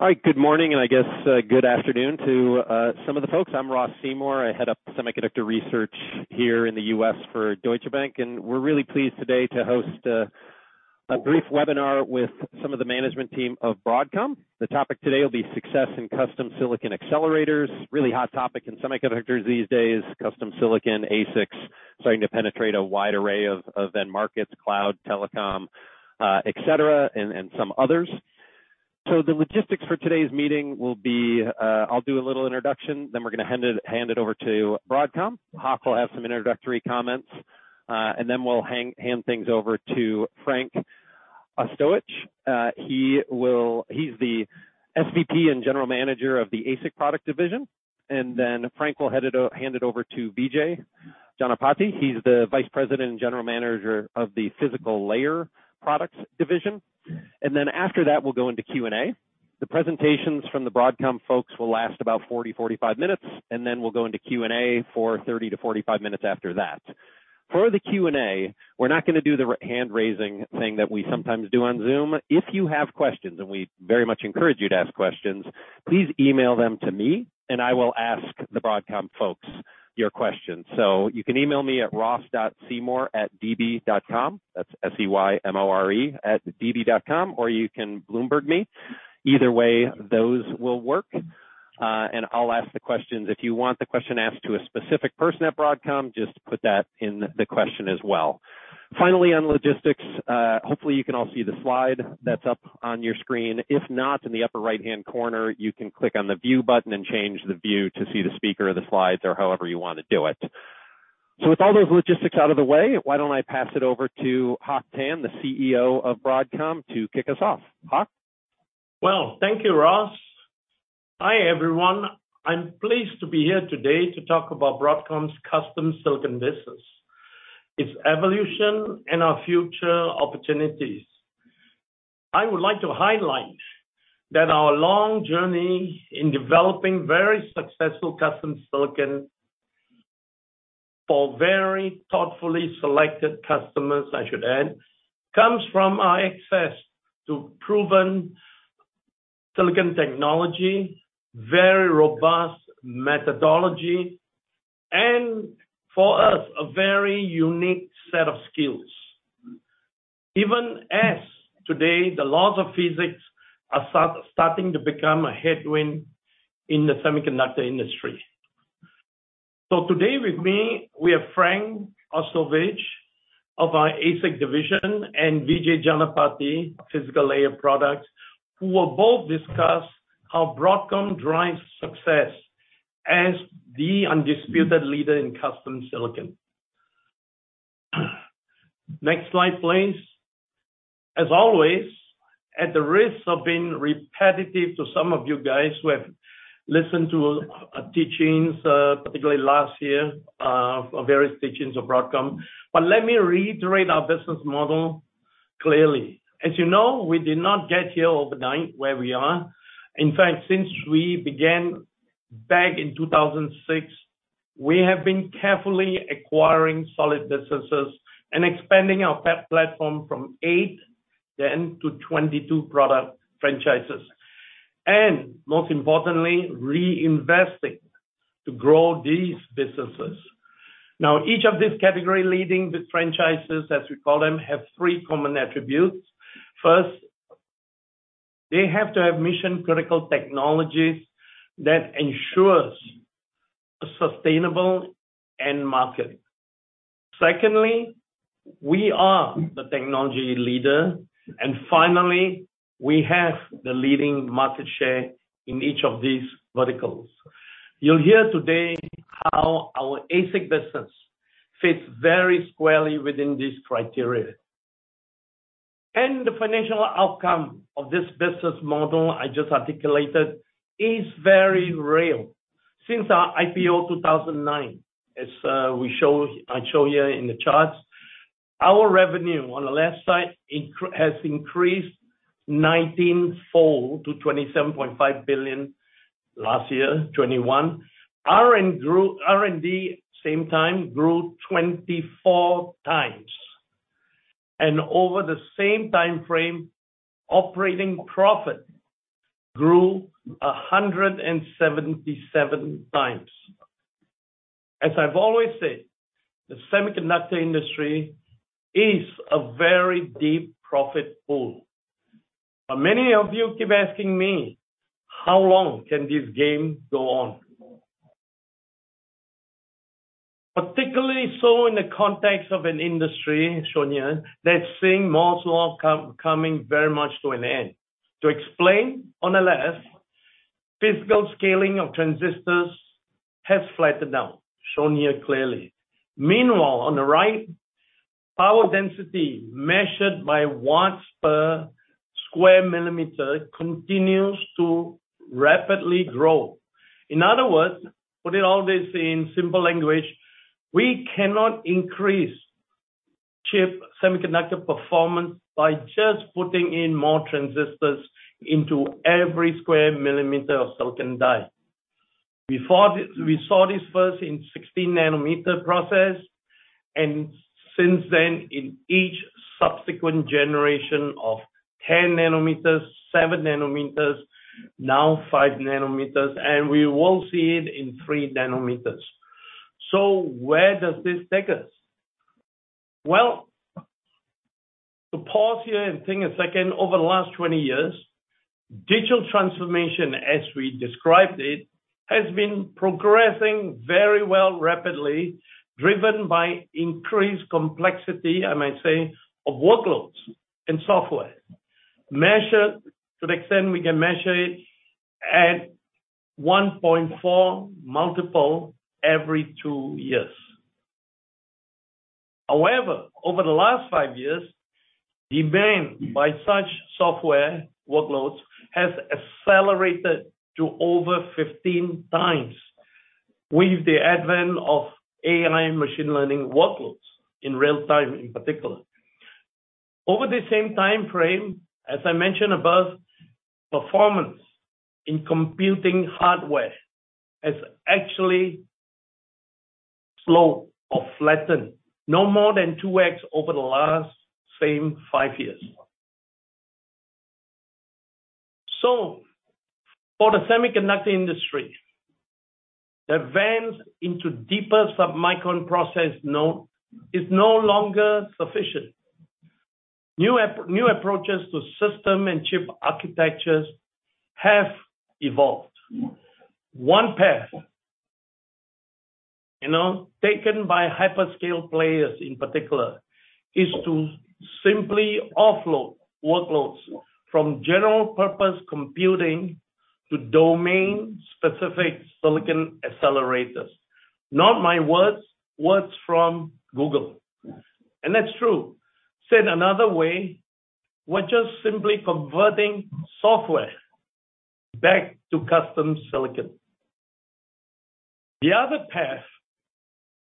All right. Good morning, and I guess, good afternoon to some of the folks. I'm Ross Seymore. I head up semiconductor research here in the U.S. for Deutsche Bank, and we're really pleased today to host a brief webinar with some of the management team of Broadcom. The topic today will be success in custom silicon accelerators. Really hot topic in semiconductors these days. Custom silicon, ASICs starting to penetrate a wide array of end markets, cloud, telecom, et cetera, and some others. The logistics for today's meeting will be, I'll do a little introduction, then we're gonna hand it over to Broadcom. Hock will have some introductory comments, and then we'll hand things over to Frank Ostojic. He's the SVP and general manager of the ASIC Products Division. Then Frank will hand it over to Vijay Janapaty. He's the Vice President and General Manager of the Physical Layer Products Division. Then after that, we'll go into Q&A. The presentations from the Broadcom folks will last about 40-45 minutes, and then we'll go into Q&A for 30-45 minutes after that. For the Q&A, we're not gonna do the hand-raising thing that we sometimes do on Zoom. If you have questions, and we very much encourage you to ask questions, please email them to me, and I will ask the Broadcom folks your questions. You can email me at ross.seymore@db.com. That's S-E-Y-M-O-R-E @db.com or you can Bloomberg me. Either way, those will work, and I'll ask the questions. If you want the question asked to a specific person at Broadcom, just put that in the question as well. Finally, on logistics, hopefully you can all see the slide that's up on your screen. If not, in the upper right-hand corner, you can click on the view button and change the view to see the speaker or the slides or however you wanna do it. With all those logistics out of the way, why don't I pass it over to Hock Tan, the CEO of Broadcom, to kick us off. Hock? Well, thank you, Ross. Hi, everyone. I'm pleased to be here today to talk about Broadcom's custom silicon business, its evolution, and our future opportunities. I would like to highlight that our long journey in developing very successful custom silicon for very thoughtfully selected customers, I should add, comes from our access to proven silicon technology, very robust methodology, and for us, a very unique set of skills, even as today, the laws of physics are starting to become a headwind in the semiconductor industry. Today with me, we have Frank Ostojic of our ASIC division and Vijay Janapaty, physical layer products, who will both discuss how Broadcom drives success as the undisputed leader in custom silicon. Next slide, please. As always, at the risk of being repetitive to some of you guys who have listened to our teachings, particularly last year, various teachings of Broadcom. Let me reiterate our business model clearly. As you know, we did not get here overnight where we are. In fact, since we began back in 2006, we have been carefully acquiring solid businesses and expanding our platform from 8 then to 22 product franchises, and most importantly, reinvesting to grow these businesses. Now, each of these category-leading franchises, as we call them, have three common attributes. First, they have to have mission-critical technologies that ensures a sustainable end market. Secondly, we are the technology leader. Finally, we have the leading market share in each of these verticals. You'll hear today how our ASIC business fits very squarely within this criteria. The financial outcome of this business model I just articulated is very real. Since our IPO in 2009, I show you in the charts, our revenue on the left side has increased 19-fold to $27.5 billion last year, 2021. R&D grew 24 times over the same time. Over the same timeframe, operating profit grew 177 times. As I've always said, the semiconductor industry is a very deep profit pool. Many of you keep asking me, how long can this game go on? Particularly so in the context of an industry shown here that's seeing Moore's Law coming very much to an end. To explain, on the left, physical scaling of transistors has flattened out, shown here clearly. Meanwhile, on the right, power density measured by watts per square millimeter continues to rapidly grow. In other words, putting all this in simple language, we cannot increase chip semiconductor performance by just putting in more transistors into every square millimeter of silicon die. We saw this first in 16 nm process, and since then in each subsequent generation of 10 nm, 7 nm, now 5 nm, and we will see it in 3 nm. Where does this take us? Well, to pause here and think a second. Over the last 20 years, digital transformation, as we described it, has been progressing very well rapidly, driven by increased complexity, I might say, of workloads and software. Measured, to the extent we can measure it, at 1.4 multiple every 2 years. However, over the last 5 years, demand by such software workloads has accelerated to over 15 times with the advent of AI and machine learning workloads in real time, in particular. Over the same time frame, as I mentioned above, performance in computing hardware has actually slowed or flattened. No more than 2x over the last same five years. For the semiconductor industry, the advance into deeper submicron process node is no longer sufficient. New approaches to system and chip architectures have evolved. One path, you know, taken by hyperscale players in particular is to simply offload workloads from general purpose computing to domain-specific silicon accelerators. Not my words from Google. That's true. Said another way, we're just simply converting software back to custom silicon. The other path,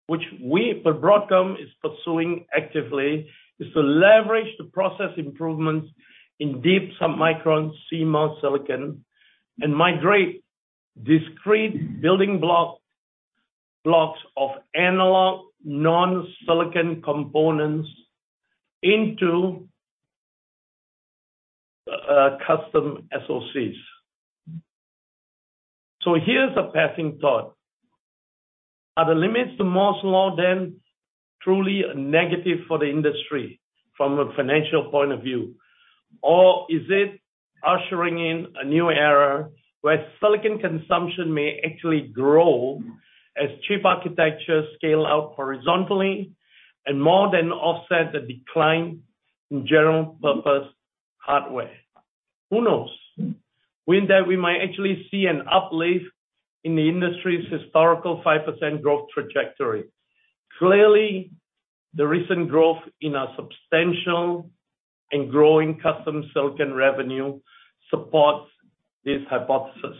which we at Broadcom is pursuing actively, is to leverage the process improvements in deep submicron CMOS silicon and migrate discrete building blocks of analog non-silicon components into custom SoCs. Here's a passing thought: Are the limits to Moore's Law then truly a negative for the industry from a financial point of view? Or is it ushering in a new era where silicon consumption may actually grow as chip architectures scale out horizontally and more than offset the decline in general purpose hardware? Who knows? With that, we might actually see an uplift in the industry's historical 5% growth trajectory. Clearly, the recent growth in our substantial and growing custom silicon revenue supports this hypothesis.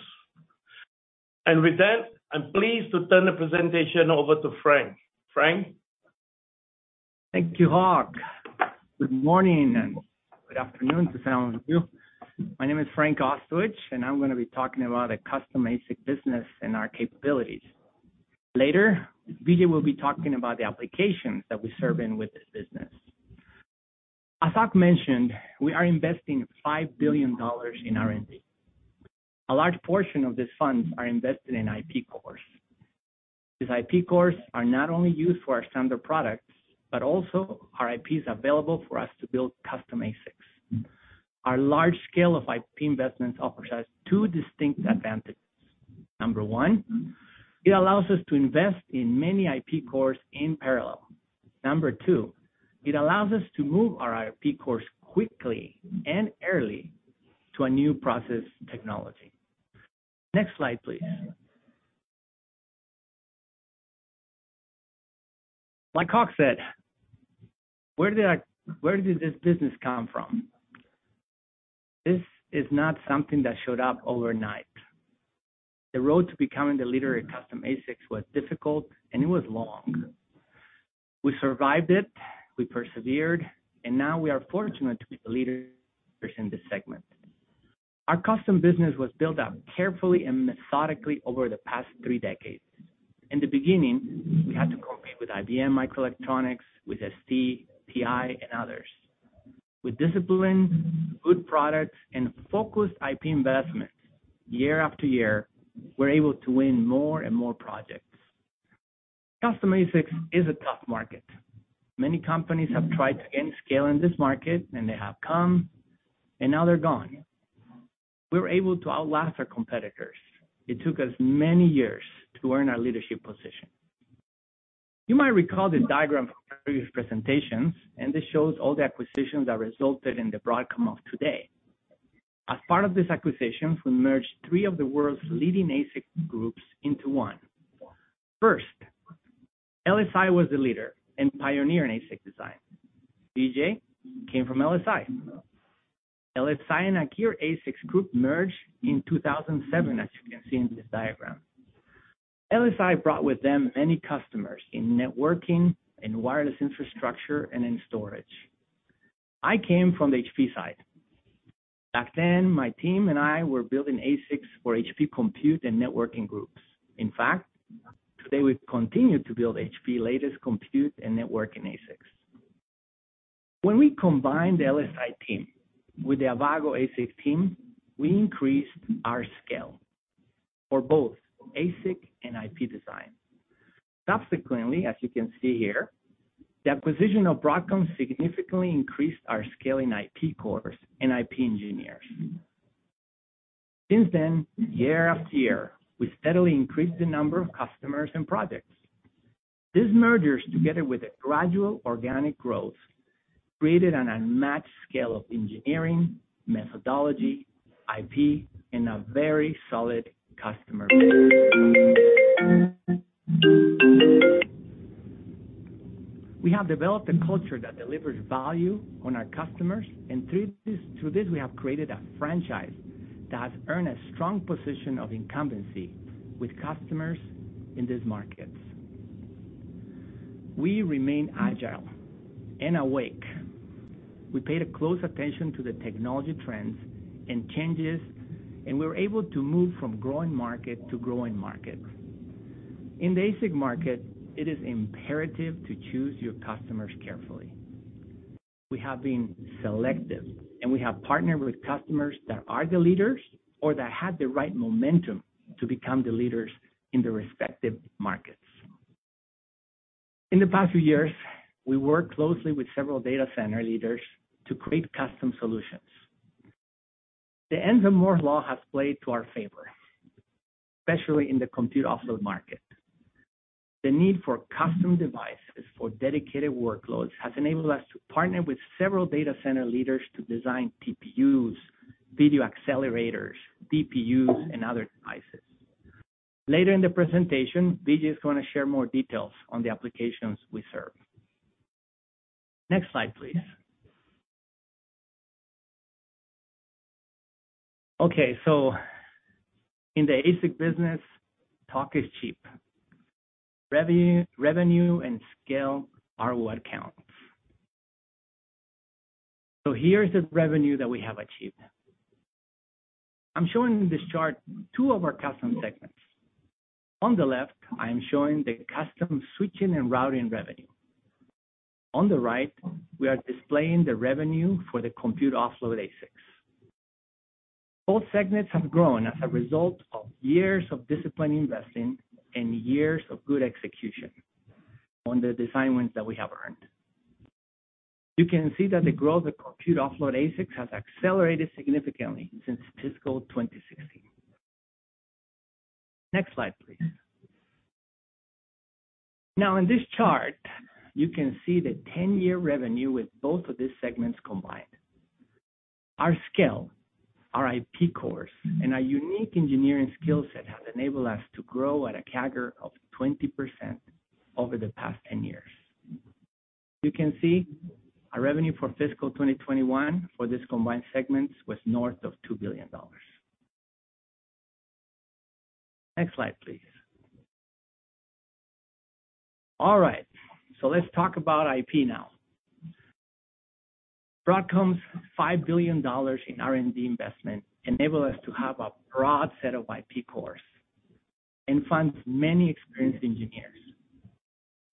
With that, I'm pleased to turn the presentation over to Frank. Frank. Thank you, Hock. Good morning and good afternoon to some of you. My name is Frank Ostojic, and I'm gonna be talking about the custom ASIC business and our capabilities. Later, Vijay will be talking about the applications that we serve in with this business. As Hock mentioned, we are investing $5 billion in R&D. A large portion of these funds are invested in IP cores. These IP cores are not only used for our standard products, but also our IP is available for us to build custom ASICs. Our large scale of IP investments offers us two distinct advantages. Number one, it allows us to invest in many IP cores in parallel. Number two, it allows us to move our IP cores quickly and early to a new process technology. Next slide, please. Like Hock said, where did this business come from? This is not something that showed up overnight. The road to becoming the leader in custom ASICs was difficult, and it was long. We survived it, we persevered, and now we are fortunate to be the leader in this segment. Our custom business was built up carefully and methodically over the past three decades. In the beginning, we had to compete with IBM Microelectronics, with ST, TI, and others. With discipline, good products, and focused IP investments, year after year, we're able to win more and more projects. Custom ASICs is a tough market. Many companies have tried to gain scale in this market, and they have come, and now they're gone. We were able to outlast our competitors. It took us many years to earn our leadership position. You might recall this diagram from previous presentations, and this shows all the acquisitions that resulted in the Broadcom of today. As part of these acquisitions, we merged three of the world's leading ASIC groups into one. First, LSI was the leader and pioneer in ASIC design. Vijay came from LSI. LSI and Agere ASIC group merged in 2007, as you can see in this diagram. LSI brought with them many customers in networking, in wireless infrastructure, and in storage. I came from the HP side. Back then, my team and I were building ASICs for HP compute and networking groups. In fact, today we've continued to build HP latest compute and networking ASICs. When we combined the LSI team with the Avago ASIC team, we increased our scale for both ASIC and IP design. Subsequently, as you can see here, the acquisition of Broadcom significantly increased our scale in IP cores and IP engineers. Since then, year after year, we steadily increased the number of customers and projects. These mergers, together with a gradual organic growth, created an unmatched scale of engineering, methodology, IP, and a very solid customer base. We have developed a culture that delivers value on our customers, and through this we have created a franchise that has earned a strong position of incumbency with customers in these markets. We remain agile and awake. We paid a close attention to the technology trends and changes, and we were able to move from growing market to growing markets. In the ASIC market, it is imperative to choose your customers carefully. We have been selective, and we have partnered with customers that are the leaders or that have the right momentum to become the leaders in their respective markets. In the past few years, we worked closely with several data center leaders to create custom solutions. The end of Moore's Law has played to our favor, especially in the compute offload market. The need for custom devices for dedicated workloads has enabled us to partner with several data center leaders to design TPUs, video accelerators, DPUs, and other devices. Later in the presentation, Vijay is going to share more details on the applications we serve. Next slide, please. Okay. In the ASIC business, talk is cheap. Revenue, revenue and scale are what counts. Here is the revenue that we have achieved. I'm showing in this chart two of our custom segments. On the left, I am showing the custom switching and routing revenue. On the right, we are displaying the revenue for the compute offload ASICs. Both segments have grown as a result of years of disciplined investing and years of good execution on the design wins that we have earned. You can see that the growth of compute offload ASICs has accelerated significantly since fiscal 2016. Next slide, please. Now in this chart, you can see the 10-year revenue with both of these segments combined. Our scale, our IP cores, and our unique engineering skill set has enabled us to grow at a CAGR of 20% over the past 10 years. You can see our revenue for fiscal 2021 for this combined segment was north of $2 billion. Next slide, please. All right, so let's talk about IP now. Broadcom's $5 billion in R&D investment enable us to have a broad set of IP cores and fund many experienced engineers.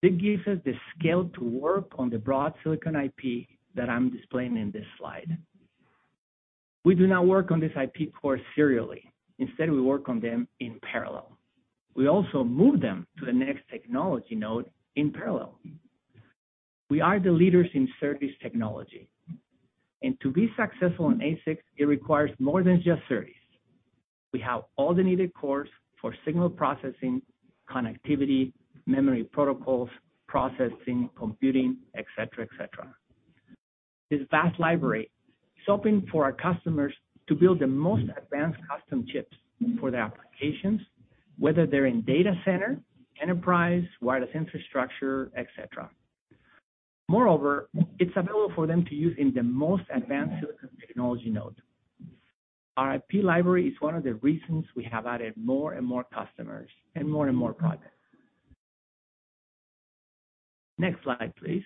This gives us the scale to work on the broad silicon IP that I'm displaying in this slide. We do not work on this IP core serially. Instead, we work on them in parallel. We also move them to the next technology node in parallel. We are the leaders in SerDes technology. To be successful in ASIC, it requires more than just SerDes. We have all the needed cores for signal processing, connectivity, memory protocols, processing, computing, et cetera, et cetera. This vast library is open for our customers to build the most advanced custom chips for their applications, whether they're in data center, enterprise, wireless infrastructure, et cetera. Moreover, it's available for them to use in the most advanced silicon technology node. Our IP library is one of the reasons we have added more and more customers and more and more products. Next slide, please.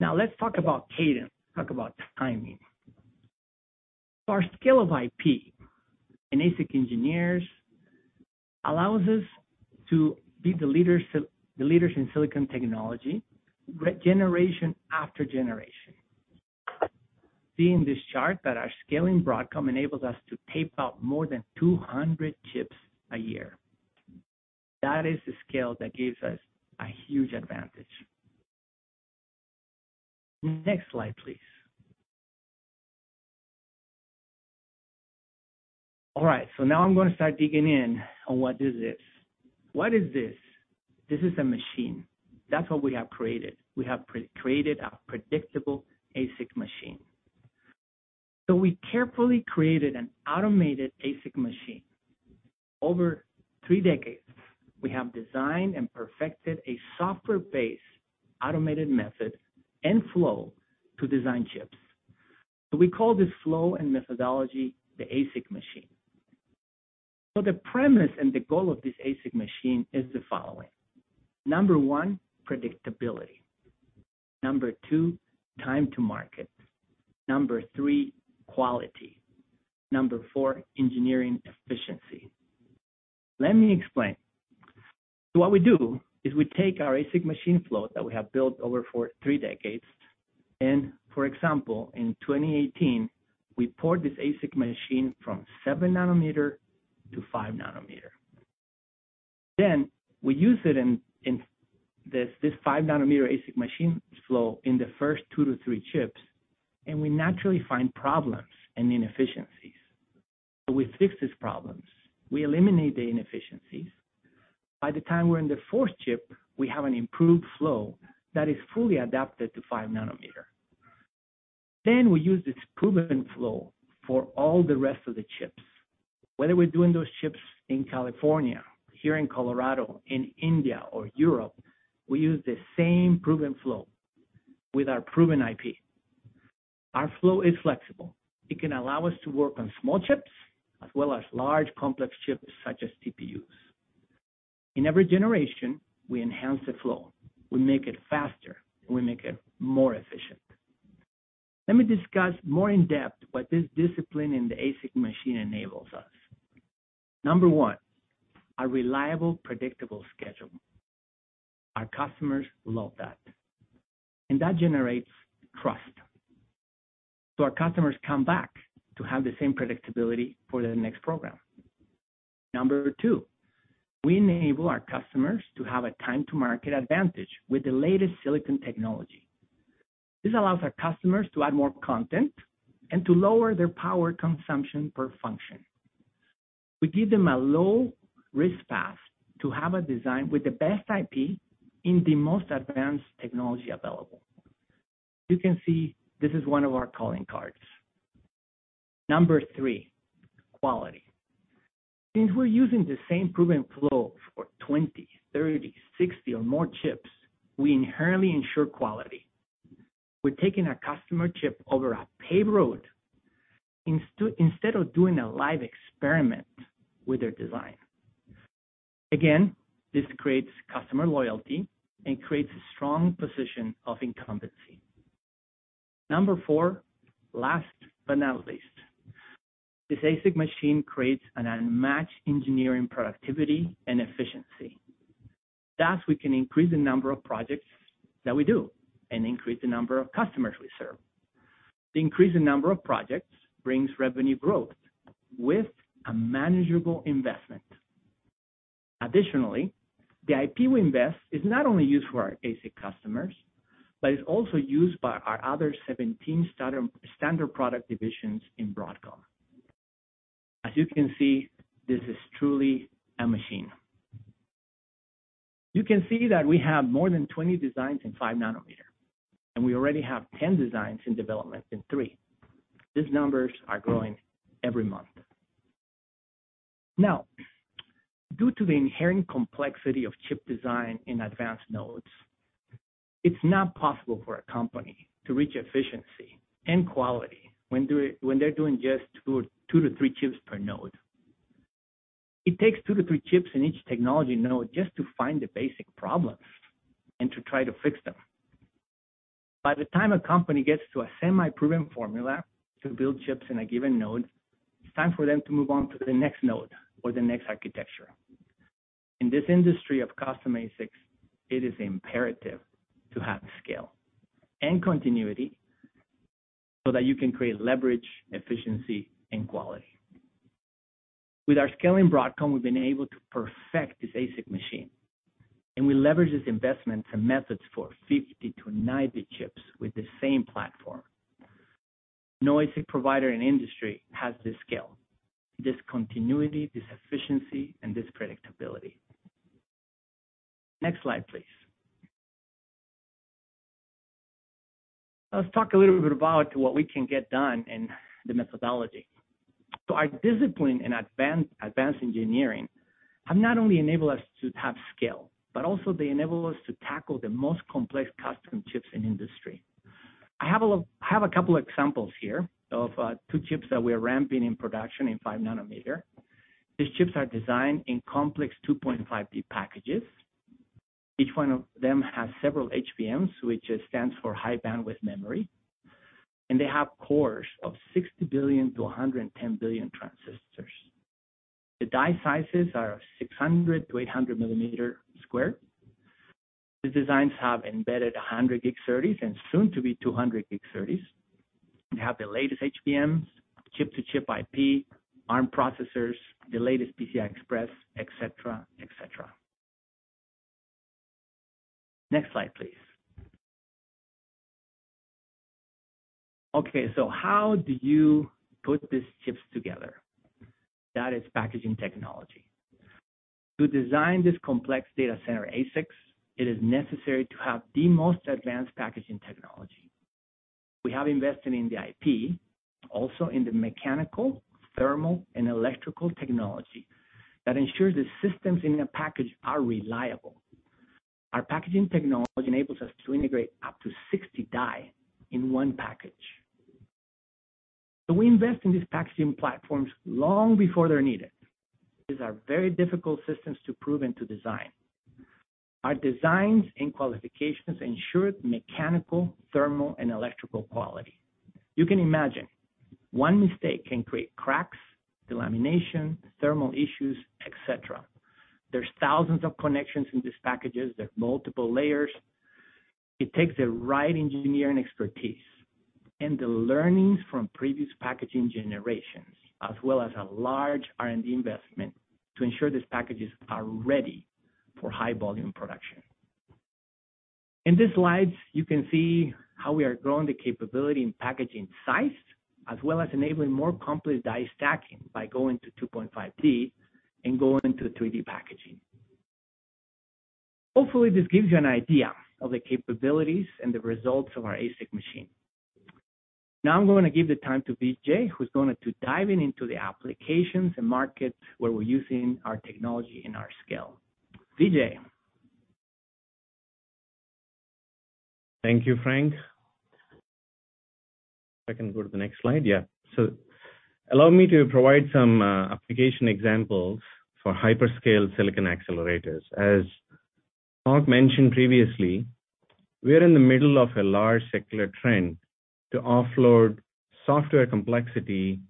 Now let's talk about cadence, talk about timing. Our scale of IP and ASIC engineers allows us to be the leaders in silicon technology generation after generation. See in this chart that our scale in Broadcom enables us to tape out more than 200 chips a year. That is the scale that gives us a huge advantage. Next slide, please. All right. Now I'm gonna start digging in on what is this. What is this? This is a machine. That's what we have created. We have pre-created a predictable ASIC machine. We carefully created an automated ASIC machine. Over three decades, we have designed and perfected a software-based automated method and flow to design chips. We call this flow and methodology the ASIC machine. The premise and the goal of this ASIC machine is the following. Number one, predictability. Number two, time to market. Number three, quality. Number four, engineering efficiency. Let me explain. What we do is we take our ASIC machine flow that we have built over four decades, and, for example, in 2018, we port this ASIC machine from 7 nm to 5 nm. Then we use it in this 5 nm ASIC machine flow in the first 2 to 3 chips, and we naturally find problems and inefficiencies. We fix these problems, we eliminate the inefficiencies. By the time we're in the fourth chip, we have an improved flow that is fully adapted to 5 nm. Then we use this proven flow for all the rest of the chips. Whether we're doing those chips in California, here in Colorado, in India or Europe, we use the same proven flow with our proven IP. Our flow is flexible. It can allow us to work on small chips as well as large complex chips such as TPUs. In every generation, we enhance the flow, we make it faster, and we make it more efficient. Let me discuss more in depth what this discipline in the ASIC machine enables us. Number one, a reliable, predictable schedule. Our customers love that, and that generates trust. So our customers come back to have the same predictability for their next program. Number two, we enable our customers to have a time-to-market advantage with the latest silicon technology. This allows our customers to add more content and to lower their power consumption per function. We give them a low-risk path to have a design with the best IP in the most advanced technology available. You can see this is one of our calling cards. Number three, quality. Since we're using the same proven flow for 20, 30, 60 or more chips, we inherently ensure quality. We're taking a customer chip over a paved road instead of doing a live experiment with their design. Again, this creates customer loyalty and creates a strong position of incumbency. Number 4, last but not least, this ASIC machine creates an unmatched engineering productivity and efficiency. Thus, we can increase the number of projects that we do and increase the number of customers we serve. The increase in number of projects brings revenue growth with a manageable investment. Additionally, the IP we invest is not only used for our ASIC customers, but is also used by our other 17 standard product divisions in Broadcom. As you can see, this is truly a machine. You can see that we have more than 20 designs in 5 nm, and we already have 10 designs in development in 3. These numbers are growing every month. Now, due to the inherent complexity of chip design in advanced nodes, it's not possible for a company to reach efficiency and quality when they're doing just 2-3 chips per node. It takes 2-3 chips in each technology node just to find the basic problems and to try to fix them. By the time a company gets to a semi-proven formula to build chips in a given node, it's time for them to move on to the next node or the next architecture. In this industry of custom ASICs, it is imperative to have scale and continuity so that you can create leverage, efficiency and quality. With our scale in Broadcom, we've been able to perfect this ASIC machine, and we leverage this investment and methods for 50-90 chips with the same platform. No ASIC provider in the industry has this scale, this continuity, this efficiency, and this predictability. Next slide, please. Let's talk a little bit about what we can get done in the methodology. Our discipline in advanced engineering have not only enabled us to have scale, but also they enable us to tackle the most complex custom chips in industry. I have a couple examples here of two chips that we are ramping in production in 5 nm. These chips are designed in complex 2.5D packages. Each one of them has several HBMs, which stands for high bandwidth memory. They have cores of 60 billion-110 billion transistors. The die sizes are 600-800 square millimeters. These designs have embedded 100-Gig SerDes, and soon to be 200-Gig SerDes. They have the latest HBMs, chip-to-chip IP, ARM processors, the latest PCI Express, et cetera, et cetera. Next slide, please. Okay, how do you put these chips together? That is packaging technology. To design this complex data center ASICs, it is necessary to have the most advanced packaging technology. We have invested in the IP, also in the mechanical, thermal, and electrical technology that ensures the systems in a package are reliable. Our packaging technology enables us to integrate up to 60 die in one package. We invest in these packaging platforms long before they're needed. These are very difficult systems to prove and to design. Our designs and qualifications ensure mechanical, thermal, and electrical quality. You can imagine one mistake can create cracks, delamination, thermal issues, et cetera. There are thousands of connections in these packages. There are multiple layers. It takes the right engineering expertise and the learnings from previous packaging generations, as well as a large R&D investment to ensure these packages are ready for high volume production. In these slides, you can see how we are growing the capability in packaging size, as well as enabling more complex die stacking by going to 2.5D and going into 3D packaging. Hopefully, this gives you an idea of the capabilities and the results of our ASIC machine. Now I'm going to give the time to Vijay, who's going to dive into the applications and markets where we're using our technology and our scale. Vijay. Thank you, Frank. I can go to the next slide? Yeah. Allow me to provide some application examples for hyperscale silicon accelerators. As Frank mentioned previously, we are in the middle of a large secular trend to offload software complexity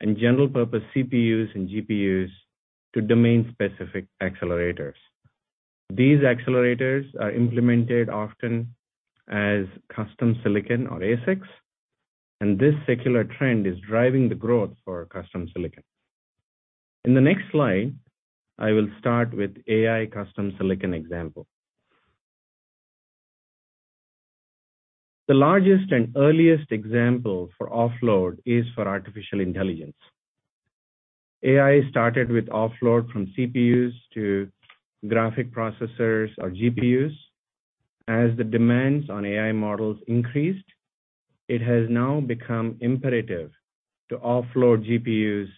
and general purpose CPUs and GPUs to domain-specific accelerators. These accelerators are implemented often as custom silicon or ASICs, and this secular trend is driving the growth for custom silicon. In the next slide, I will start with AI custom silicon example. The largest and earliest example for offload is for artificial intelligence. AI started with offload from CPUs to graphic processors or GPUs. As the demands on AI models increased, it has now become imperative to offload GPUs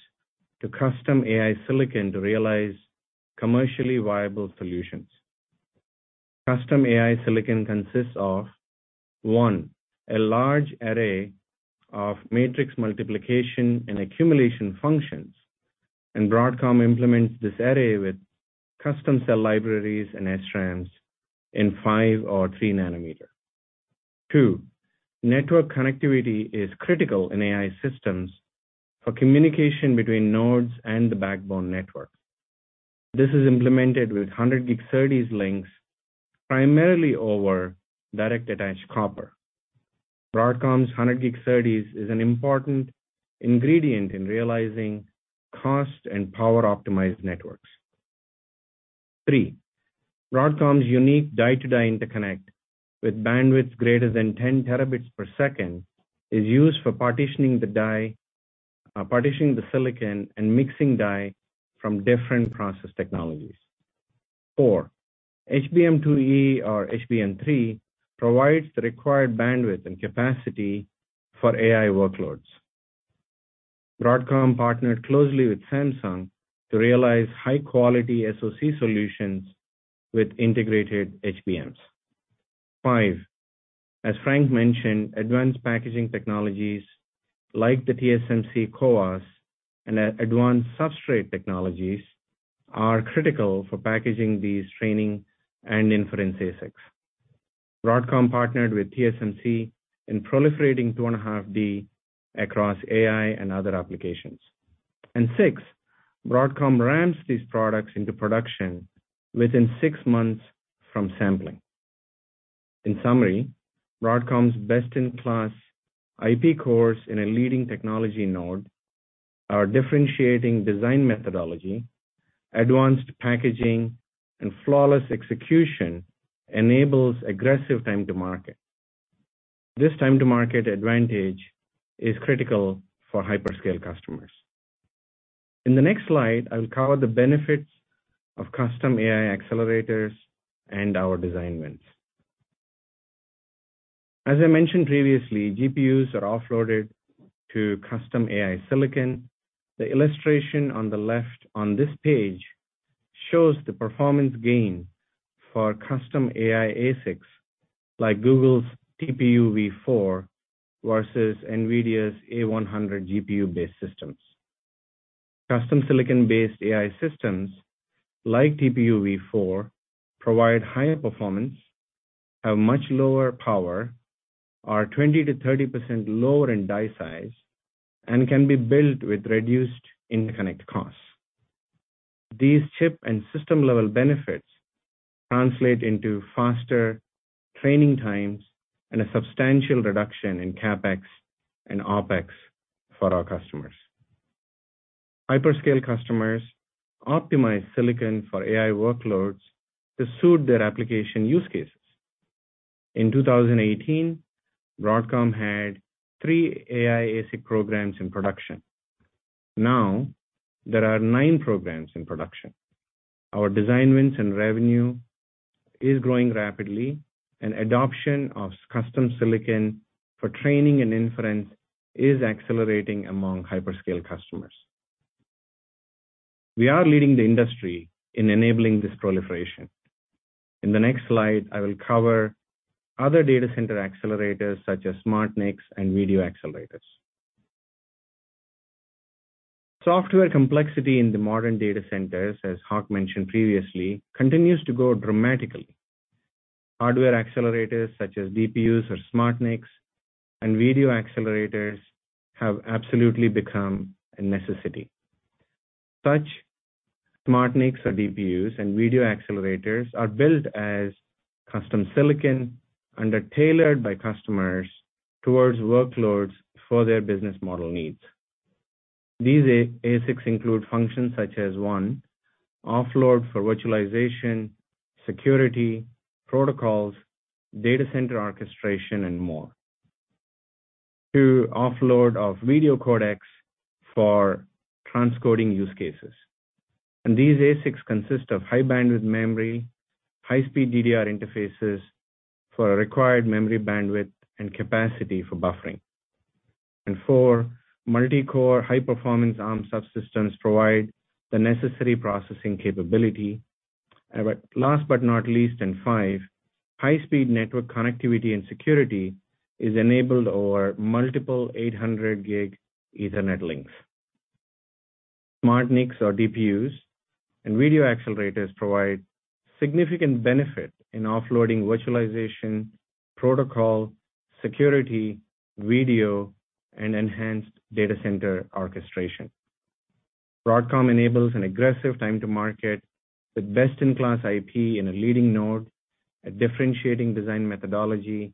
to custom AI silicon to realize commercially viable solutions. Custom AI silicon consists of 1, a large array of matrix multiplication and accumulation functions, and Broadcom implements this array with custom cell libraries and SRAMs in 5 nm or 3 nm. 2, Network connectivity is critical in AI systems for communication between nodes and the backbone networks. This is implemented with 100 Gig SerDes links, primarily over direct attached copper. Broadcom's 100 Gig SerDes is an important ingredient in realizing cost and power-optimized networks. 3, Broadcom's unique die-to-die interconnect with bandwidth greater than 10 terabits per second is used for partitioning the silicon and mixing die from different process technologies. 4, HBM2E or HBM3 provides the required bandwidth and capacity for AI workloads. Broadcom partnered closely with Samsung to realize high-quality SoC solutions with integrated HBMs. 5, as Frank mentioned, advanced packaging technologies like the TSMC CoWoS and advanced substrate technologies are critical for packaging these training and inference ASICs. Broadcom partnered with TSMC in proliferating 2.5D across AI and other applications. 6, Broadcom ramps these products into production within 6 months from sampling. In summary, Broadcom's best-in-class IP cores in a leading technology node, our differentiating design methodology, advanced packaging, and flawless execution enables aggressive time to market. This time-to-market advantage is critical for hyperscale customers. In the next slide, I'll cover the benefits of custom AI accelerators and our design wins. As I mentioned previously, GPUs are offloaded to custom AI silicon. The illustration on the left on this page shows the performance gain for custom AI ASICs like Google's TPUv4 versus NVIDIA's A100 GPU-based systems. Custom silicon-based AI systems like TPU v4 provide higher performance, have much lower power, are 20%-30% lower in die size, and can be built with reduced interconnect costs. These chip and system-level benefits translate into faster training times and a substantial reduction in CapEx and OpEx for our customers. Hyperscale customers optimize silicon for AI workloads to suit their application use cases. In 2018, Broadcom had 3 AI ASIC programs in production. Now there are 9 programs in production. Our design wins and revenue is growing rapidly, and adoption of custom silicon for training and inference is accelerating among hyperscale customers. We are leading the industry in enabling this proliferation. In the next slide, I will cover other data center accelerators such as SmartNICs and video accelerators. Software complexity in the modern data centers, as Hock mentioned previously, continues to grow dramatically. Hardware accelerators such as DPUs or SmartNICs and video accelerators have absolutely become a necessity. Such SmartNICs or DPUs and video accelerators are built as custom silicon and are tailored by customers towards workloads for their business model needs. These ASICs include functions such as, 1, offload for virtualization, security, protocols, data center orchestration, and more. 2, offload of video codecs for transcoding use cases. These ASICs consist of high-bandwidth memory, high-speed DDR interfaces for required memory bandwidth and capacity for buffering. 4, multi-core high-performance ARM subsystems provide the necessary processing capability. Last but not least, and 5, high-speed network connectivity and security is enabled over multiple 800 Gig Ethernet links. SmartNICs or DPUs and video accelerators provide significant benefit in offloading virtualization, protocol, security, video, and enhanced data center orchestration. Broadcom enables an aggressive time to market with best-in-class IP in a leading node, a differentiating design methodology,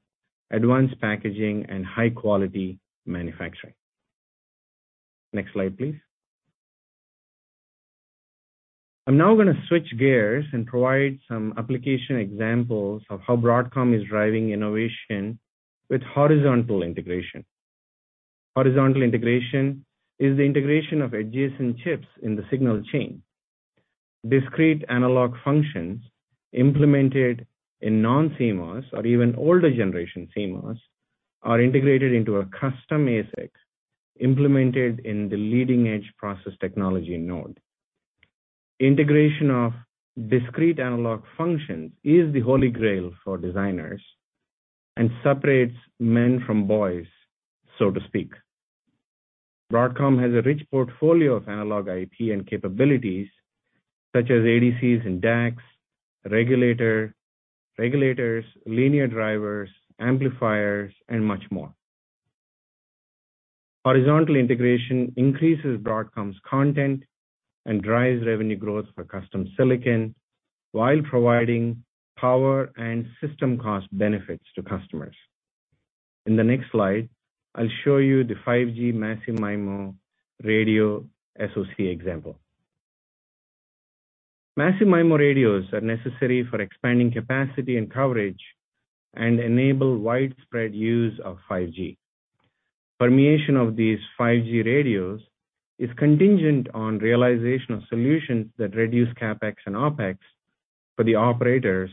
advanced packaging, and high-quality manufacturing. Next slide, please. I'm now gonna switch gears and provide some application examples of how Broadcom is driving innovation with horizontal integration. Horizontal integration is the integration of adjacent chips in the signal chain. Discrete analog functions implemented in non-CMOS or even older generation CMOS are integrated into a custom ASIC implemented in the leading-edge process technology node. Integration of discrete analog functions is the holy grail for designers and separates men from boys, so to speak. Broadcom has a rich portfolio of analog IP and capabilities such as ADCs and DACs, regulators, linear drivers, amplifiers, and much more. Horizontal integration increases Broadcom's content and drives revenue growth for custom silicon while providing power and system cost benefits to customers. In the next slide, I'll show you the 5G Massive MIMO radio SoC example. Massive MIMO radios are necessary for expanding capacity and coverage and enable widespread use of 5G. Penetration of these 5G radios is contingent on realization of solutions that reduce CapEx and OpEx for the operators,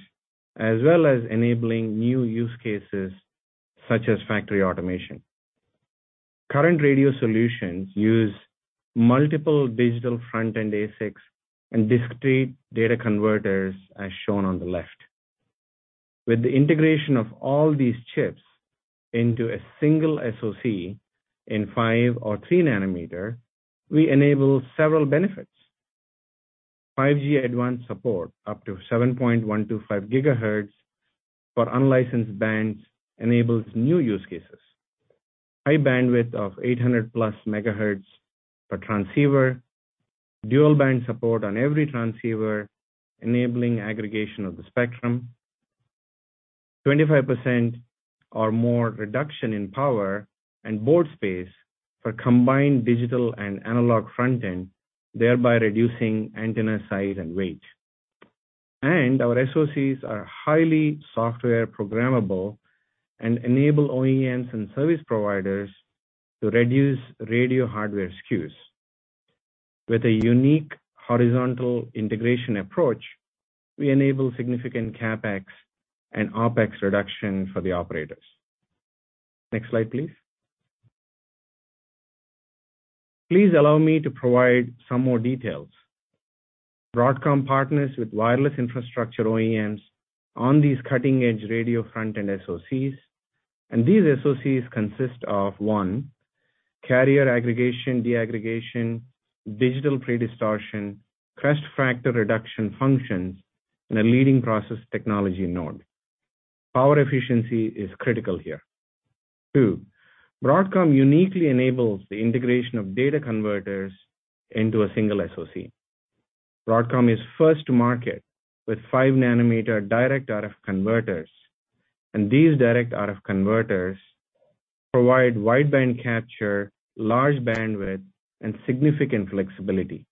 as well as enabling new use cases such as factory automation. Current radio solutions use multiple digital front-end ASICs and discrete data converters as shown on the left. With the integration of all these chips into a single SoC in 5- or 3-nm, we enable several benefits. 5G advanced support up to 7.125 GHz for unlicensed bands enables new use cases. High bandwidth of 800+ MHz per transceiver. Dual band support on every transceiver, enabling aggregation of the spectrum. 25% or more reduction in power and board space for combined digital and analog front-end, thereby reducing antenna size and weight. Our SoCs are highly software programmable and enable OEMs and service providers to reduce radio hardware SKUs. With a unique horizontal integration approach, we enable significant CapEx and OpEx reduction for the operators. Next slide, please. Please allow me to provide some more details. Broadcom partners with wireless infrastructure OEMs on these cutting-edge radio front-end SoCs. These SoCs consist of, one, carrier aggregation, deaggregation, digital predistortion, crest factor reduction functions in a leading process technology node. Power efficiency is critical here. Two, Broadcom uniquely enables the integration of data converters into a single SoC. Broadcom is first to market with 5 nm direct RF converters, and these direct RF converters provide wideband capture, large bandwidth, and significant flexibility.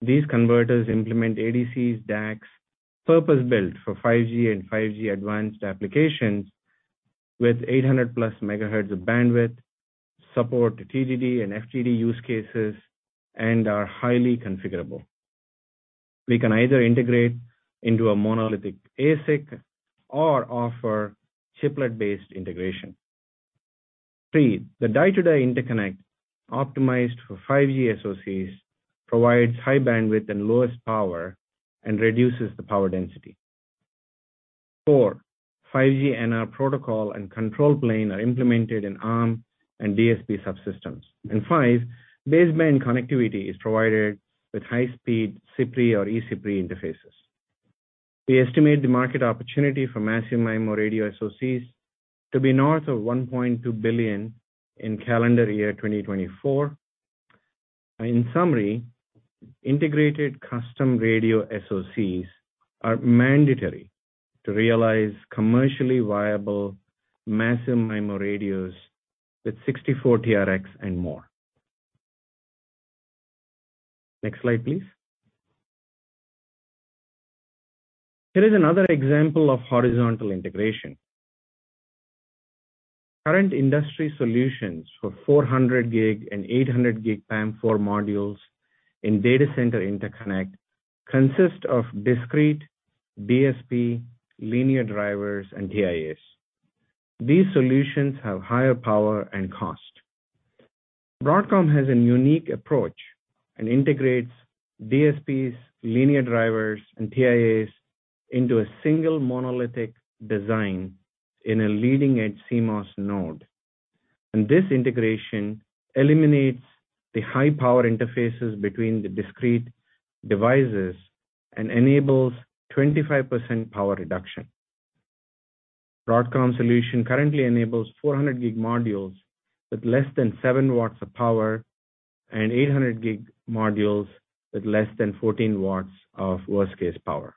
These converters implement ADCs, DACs purpose-built for 5G and 5G advanced applications with 800+ MHz of bandwidth, support TDD and FDD use cases, and are highly configurable. We can either integrate into a monolithic ASIC or offer chiplet-based integration. Three, the die-to-die interconnect optimized for 5G SoCs provides high bandwidth and lowest power and reduces the power density. Four, 5G NR protocol and control plane are implemented in ARM and DSP subsystems. Five, baseband connectivity is provided with high speed CPRI or eCPRI interfaces. We estimate the market opportunity for massive MIMO radio SoCs to be north of $1.2 billion in calendar year 2024. In summary, integrated custom radio SoCs are mandatory to realize commercially viable massive MIMO radios with 64 TRX and more. Next slide, please. Here is another example of horizontal integration. Current industry solutions for 400 Gig and 800 Gig PAM4 modules in data center interconnect consist of discrete DSP, linear drivers and TIAs. These solutions have higher power and cost. Broadcom has a unique approach and integrates DSPs, linear drivers and TIAs into a single monolithic design in a leading-edge CMOS node. This integration eliminates the high power interfaces between the discrete devices and enables 25% power reduction. Broadcom solution currently enables 400 Gig modules with less than 7 watts of power and 800 Gig modules with less than 14 watts of worst-case power.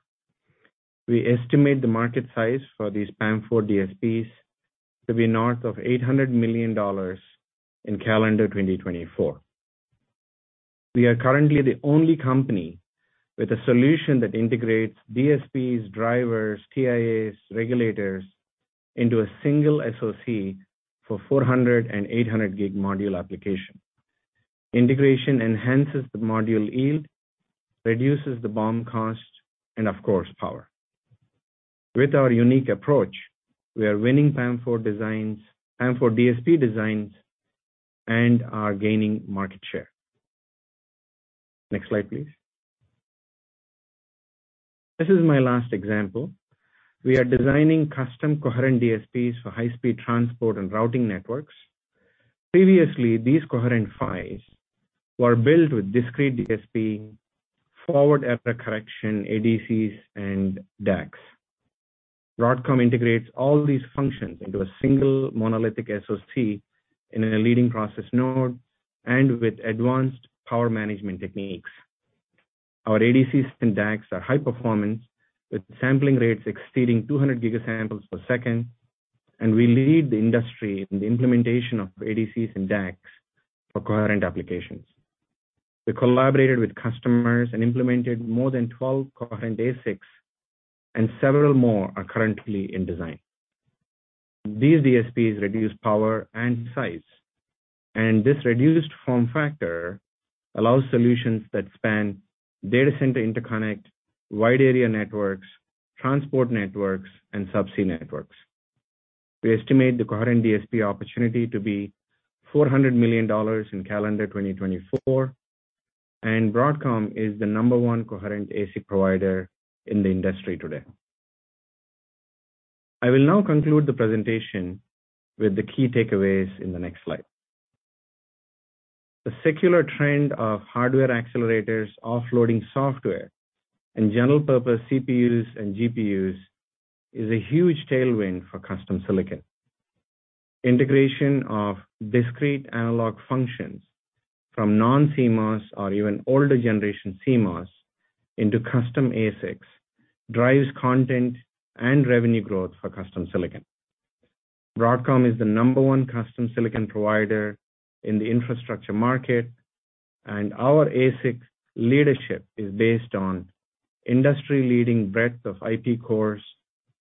We estimate the market size for these PAM4 DSPs to be north of $800 million in calendar 2024. We are currently the only company with a solution that integrates DSPs, drivers, TIAs, regulators into a single SoC for 400 and 800 Gig module application. Integration enhances the module yield, reduces the BOM cost and of course, power. With our unique approach, we are winning PAM4 designs, PAM4 DSP designs and are gaining market share. Next slide, please. This is my last example. We are designing custom coherent DSPs for high-speed transport and routing networks. Previously, these coherent PHYs were built with discrete DSP, forward error correction, ADCs and DACs. Broadcom integrates all these functions into a single monolithic SoC in a leading process node and with advanced power management techniques. Our ADCs and DACs are high performance with sampling rates exceeding 200 giga samples per second, and we lead the industry in the implementation of ADCs and DACs for coherent applications. We collaborated with customers and implemented more than 12 coherent ASICs, and several more are currently in design. These DSPs reduce power and size, and this reduced form factor allows solutions that span data center interconnect, wide area networks, transport networks and subsea networks. We estimate the coherent DSP opportunity to be $400 million in calendar 2024, and Broadcom is the number one coherent ASIC provider in the industry today. I will now conclude the presentation with the key takeaways in the next slide. The secular trend of hardware accelerators offloading software and general purpose CPUs and GPUs is a huge tailwind for custom silicon. Integration of discrete analog functions from non-CMOS or even older generation CMOS into custom ASICs drives content and revenue growth for custom silicon. Broadcom is the number one custom silicon provider in the infrastructure market, and our ASIC leadership is based on industry-leading breadth of IP cores,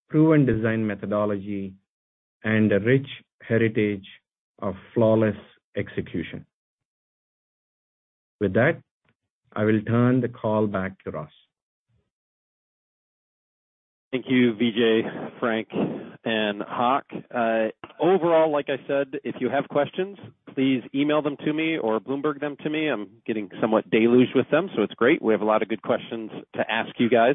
proven design methodology and a rich heritage of flawless execution. With that, I will turn the call back to Ross. Thank you, Vijay, Frank and Hock. Overall, like I said, if you have questions, please email them to me or Bloomberg them to me. I'm getting somewhat deluged with them, so it's great. We have a lot of good questions to ask you guys.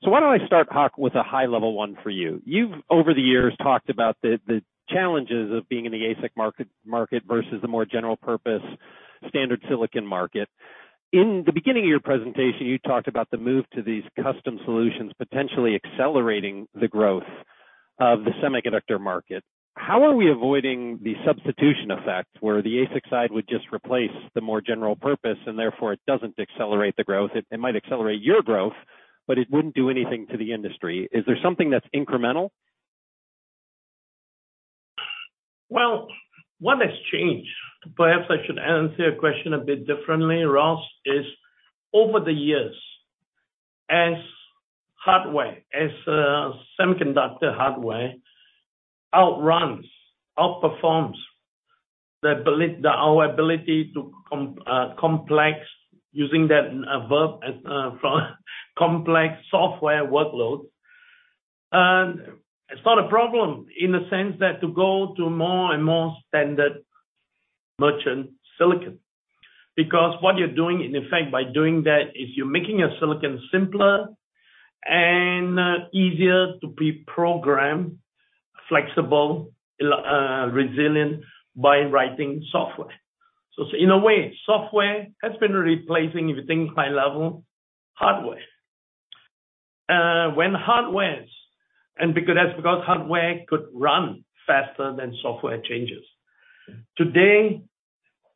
Why don't I start, Hock, with a high level one for you. You've over the years talked about the challenges of being in the ASIC market versus the more general purpose standard silicon market. In the beginning of your presentation, you talked about the move to these custom solutions potentially accelerating the growth of the semiconductor market. How are we avoiding the substitution effect where the ASIC side would just replace the more general purpose and therefore it doesn't accelerate the growth? It might accelerate your growth, but it wouldn't do anything to the industry. Is there something that's incremental? Well, what has changed, perhaps I should answer your question a bit differently, Ross, is over the years, as hardware, semiconductor hardware outperforms our ability to complex using that verb as complex software workloads. It's not a problem in the sense that to go to more and more standard merchant silicon. Because what you're doing in effect by doing that is you're making your silicon simpler and easier to be programmed, flexible, resilient by writing software. In a way, software has been replacing, if you think high level, hardware. When hardware could run faster than software changes. Today,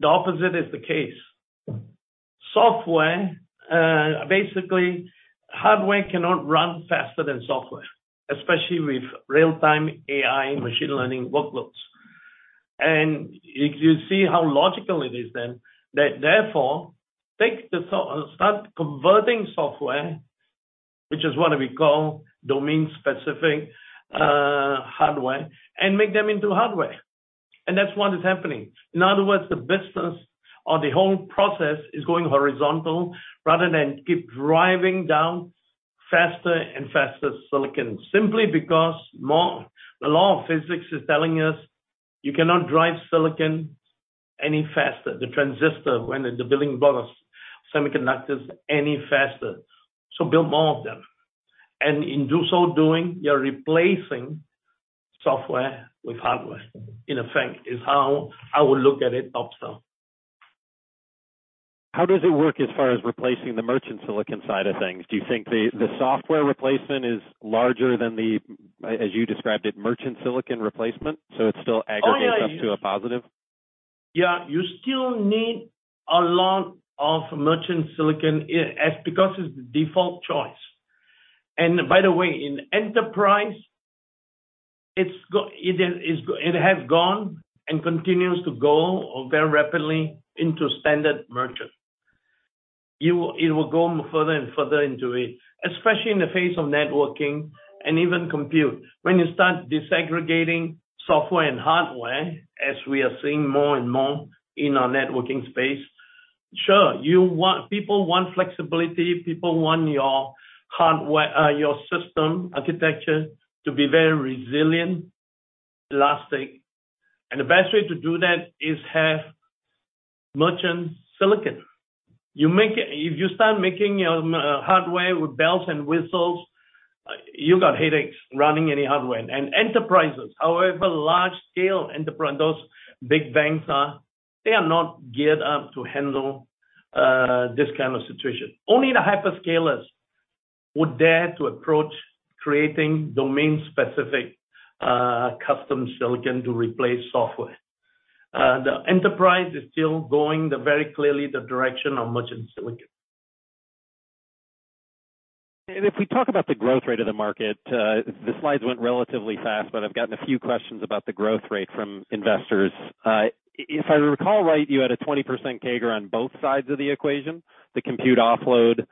the opposite is the case. Software, basically, hardware cannot run faster than software, especially with real-time AI machine learning workloads. If you see how logical it is then that therefore take the thought and start converting software, which is what we call domain-specific, hardware, and make them into hardware. That's what is happening. In other words, the business or the whole process is going horizontal rather than keep driving down faster and faster silicon. Simply because the law of physics is telling us you cannot drive silicon any faster, the transistor when the building blocks semiconductors any faster. So build more of them. In doing so, you're replacing software with hardware, in effect, is how I would look at it topside. How does it work as far as replacing the merchant silicon side of things? Do you think the software replacement is larger than the, as you described it, merchant silicon replacement, so it still aggregates up to a positive? You still need a lot of merchant silicon because it's the default choice. By the way, in enterprise, it is, it has gone and continues to go very rapidly into standard merchant. It will go further and further into it, especially in the face of networking and even compute. When you start disaggregating software and hardware, as we are seeing more and more in our networking space, sure, people want flexibility. People want your hardware, your system architecture to be very resilient, elastic. The best way to do that is have merchant silicon. If you start making your hardware with bells and whistles, you got headaches running any hardware. Enterprises, however large scale enterprise, those big banks are, they are not geared up to handle this kind of situation. Only the hyperscalers would dare to approach creating domain-specific, custom silicon to replace software. The enterprise is still going very clearly in the direction of merchant silicon. If we talk about the growth rate of the market, the slides went relatively fast, but I've gotten a few questions about the growth rate from investors. If I recall right, you had a 20% CAGR on both sides of the equation, the compute offload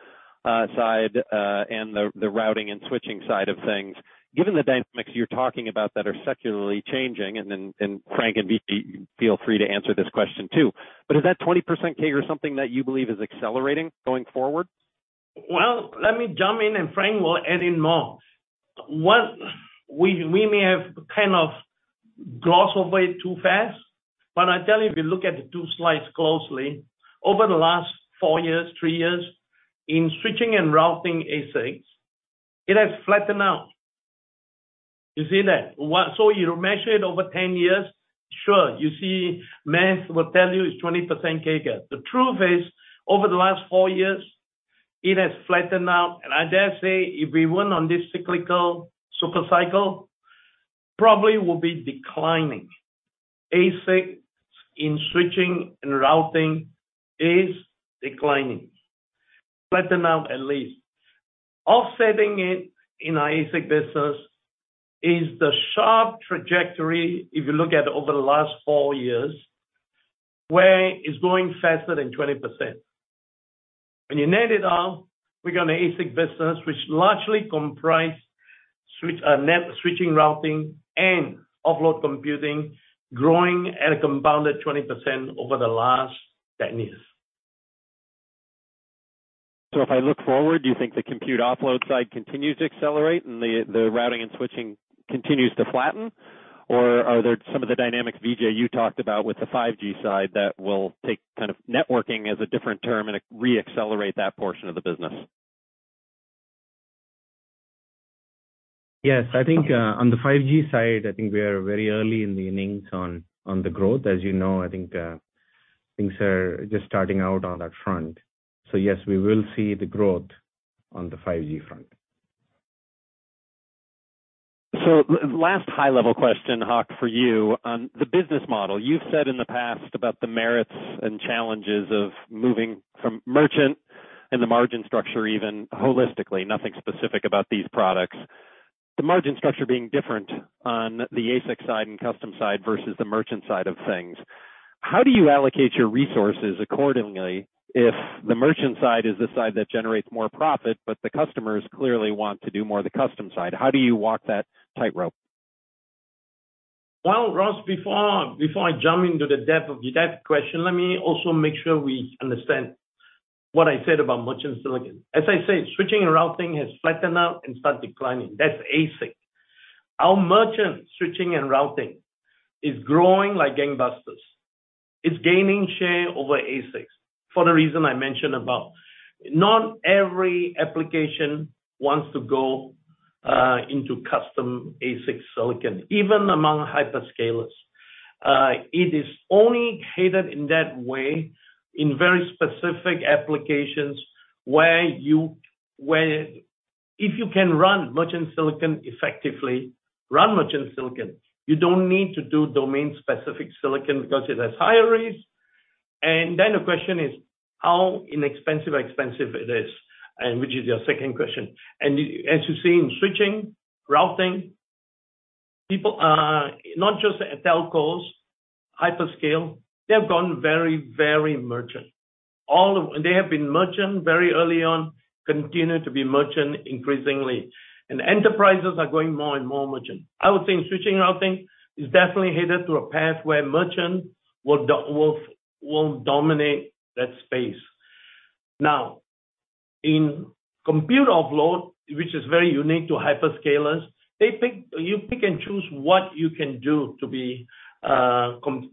side, and the routing and switching side of things. Given the dynamics you're talking about that are secularly changing, Frank and Vijay, feel free to answer this question too. But is that 20% CAGR something that you believe is accelerating going forward? Well, let me jump in and Frank will add in more. One, we may have kind of glossed over it too fast, but I tell you, if you look at the 2 slides closely, over the last 4 years, 3 years in switching and routing ASICs, it has flattened out. You see that? You measure it over 10 years, sure, you see, Moore's Law will tell you it's 20% CAGR. The truth is, over the last 4 years, it has flattened out. I dare say if we weren't on this cyclical super cycle, probably would be declining. ASIC in switching and routing is declining, flatten out at least. Offsetting it in our ASIC business is the sharp trajectory, if you look at over the last 4 years, where it's growing faster than 20%. When you net it out, we got an ASIC business which largely comprise net switching, routing, and offload computing growing at a compounded 20% over the last 10 years. If I look forward, do you think the compute offload side continues to accelerate and the routing and switching continues to flatten? Or are there some of the dynamics, Vijay, you talked about with the 5G side that will take kind of networking as a different term and re-accelerate that portion of the business? Yes. I think on the 5G side, I think we are very early in the innings on the growth. As you know, I think things are just starting out on that front. Yes, we will see the growth on the 5G front. Last high-level question, Hock, for you on the business model. You've said in the past about the merits and challenges of moving from merchant and the margin structure even holistically, nothing specific about these products. The margin structure being different on the ASIC side and custom side versus the merchant side of things. How do you allocate your resources accordingly if the merchant side is the side that generates more profit, but the customers clearly want to do more the custom side? How do you walk that tightrope? Well, Ross, before I jump into the depth of that question, let me also make sure we understand what I said about merchant silicon. As I said, switching and routing has flattened out and start declining. That's ASIC. Our merchant switching and routing is growing like gangbusters. It's gaining share over ASICs for the reason I mentioned about. Not every application wants to go into custom ASIC silicon, even among hyperscalers. It is only headed in that way in very specific applications where if you can run merchant silicon effectively, run merchant silicon. You don't need to do domain-specific silicon because it has higher risk. Then the question is how inexpensive or expensive it is, and which is your second question. As you see in switching, routing, people are not just telcos, hyperscalers, they have gone very, very merchant. They have been merchant very early on, continue to be merchant increasingly. Enterprises are going more and more merchant. I would say switching routing is definitely headed to a path where merchant will dominate that space. Now, in compute offload, which is very unique to hyperscalers, you pick and choose what you can do to be custom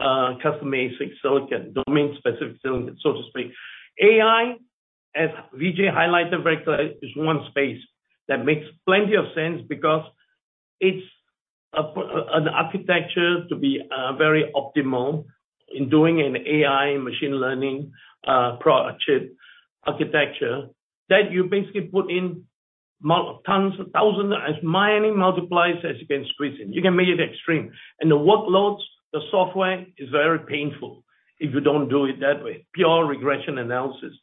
ASIC silicon, domain-specific silicon, so to speak. AI, as Vijay highlighted very clearly, is one space that makes plenty of sense because it's an architecture to be very optimal in doing an AI machine learning product chip architecture that you basically put in more tons of thousands, as many multipliers as you can squeeze in. You can make it extreme. The workloads, the software is very painful if you don't do it that way. Pure regression analysis.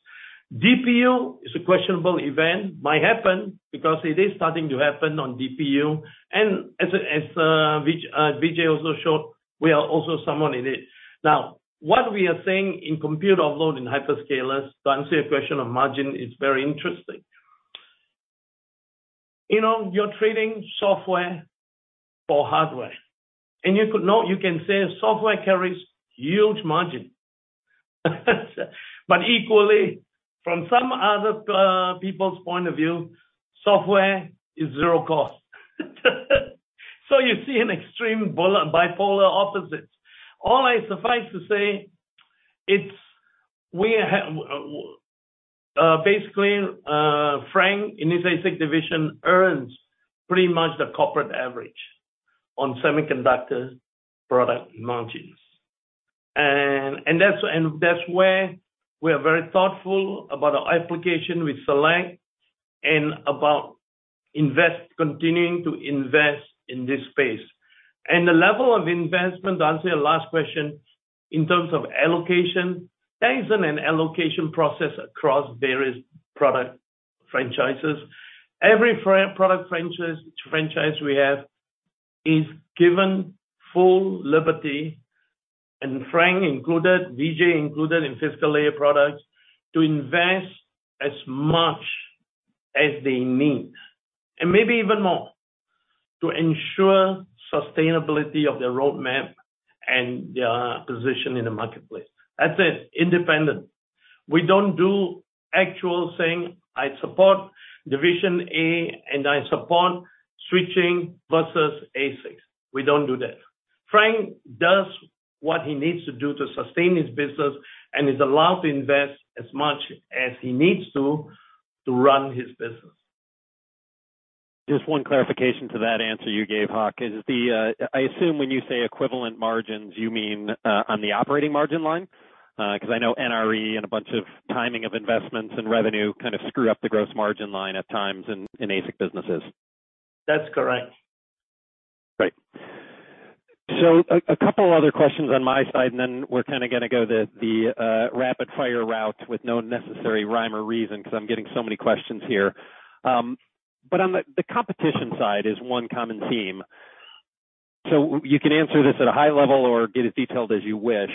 DPU is a questionable event. Might happen because it is starting to happen on DPU. Vijay also showed, we are also somewhat in it. Now, what we are seeing in compute offload in hyperscalers, to answer your question on margin, is very interesting. You know, you're trading software for hardware, and you can say software carries huge margin. But equally, from some other people's point of view, software is zero cost. So you see an extreme bipolar opposite. Suffice to say, we are basically Frank, in his ASIC division, earns pretty much the corporate average on semiconductor product margins. And that's where we are very thoughtful about the application we select and about continuing to invest in this space. The level of investment, to answer your last question, in terms of allocation, there isn't an allocation process across various product franchises. Every product franchise we have is given full liberty, and Frank included, Vijay included in physical layer products, to invest as much as they need, and maybe even more, to ensure sustainability of their roadmap and their position in the marketplace. That's it. Independent. We don't do actual saying, I support division A and I support switching versus ASICs. We don't do that. Frank does what he needs to do to sustain his business and is allowed to invest as much as he needs to run his business. Just one clarification to that answer you gave, Hock, is I assume when you say equivalent margins, you mean on the operating margin line? Because I know NRE and a bunch of timing of investments and revenue kind of screw up the gross margin line at times in ASIC businesses. That's correct. Great. A couple other questions on my side, and then we're gonna go the rapid fire route with no necessary rhyme or reason 'cause I'm getting so many questions here. On the competition side is one common theme. You can answer this at a high level or get as detailed as you wish.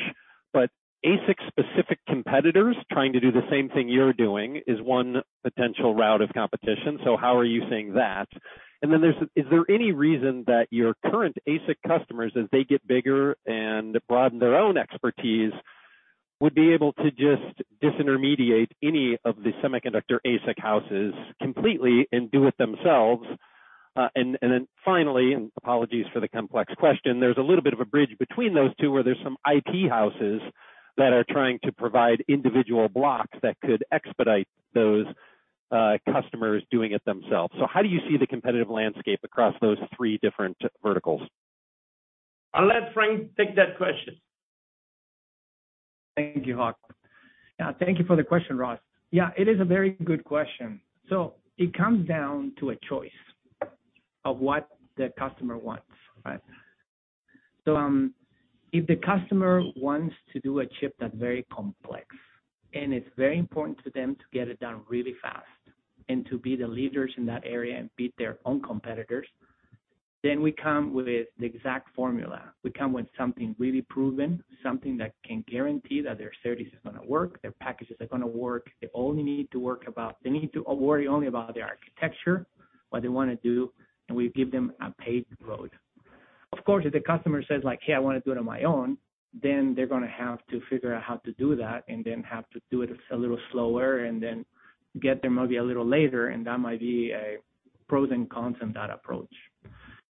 ASIC-specific competitors trying to do the same thing you're doing is one potential route of competition, so how are you seeing that? Is there any reason that your current ASIC customers, as they get bigger and broaden their own expertise, would be able to just disintermediate any of the semiconductor ASIC houses completely and do it themselves? and then finally, apologies for the complex question, there's a little bit of a bridge between those two, where there's some IT houses that are trying to provide individual blocks that could expedite those customers doing it themselves. How do you see the competitive landscape across those three different verticals? I'll let Frank take that question. Thank you, Hock. Yeah. Thank you for the question, Ross. Yeah, it is a very good question. It comes down to a choice of what the customer wants, right? If the customer wants to do a chip that's very complex, and it's very important to them to get it done really fast and to be the leaders in that area and beat their own competitors, then we come with the exact formula. We come with something really proven, something that can guarantee that their service is gonna work, their packages are gonna work. They need to worry only about their architecture, what they wanna do, and we give them a paved road. Of course, if the customer says, like, Hey, I want to do it on my own, then they're gonna have to figure out how to do that, and then have to do it a little slower and then get there maybe a little later, and that might be pros and cons on that approach.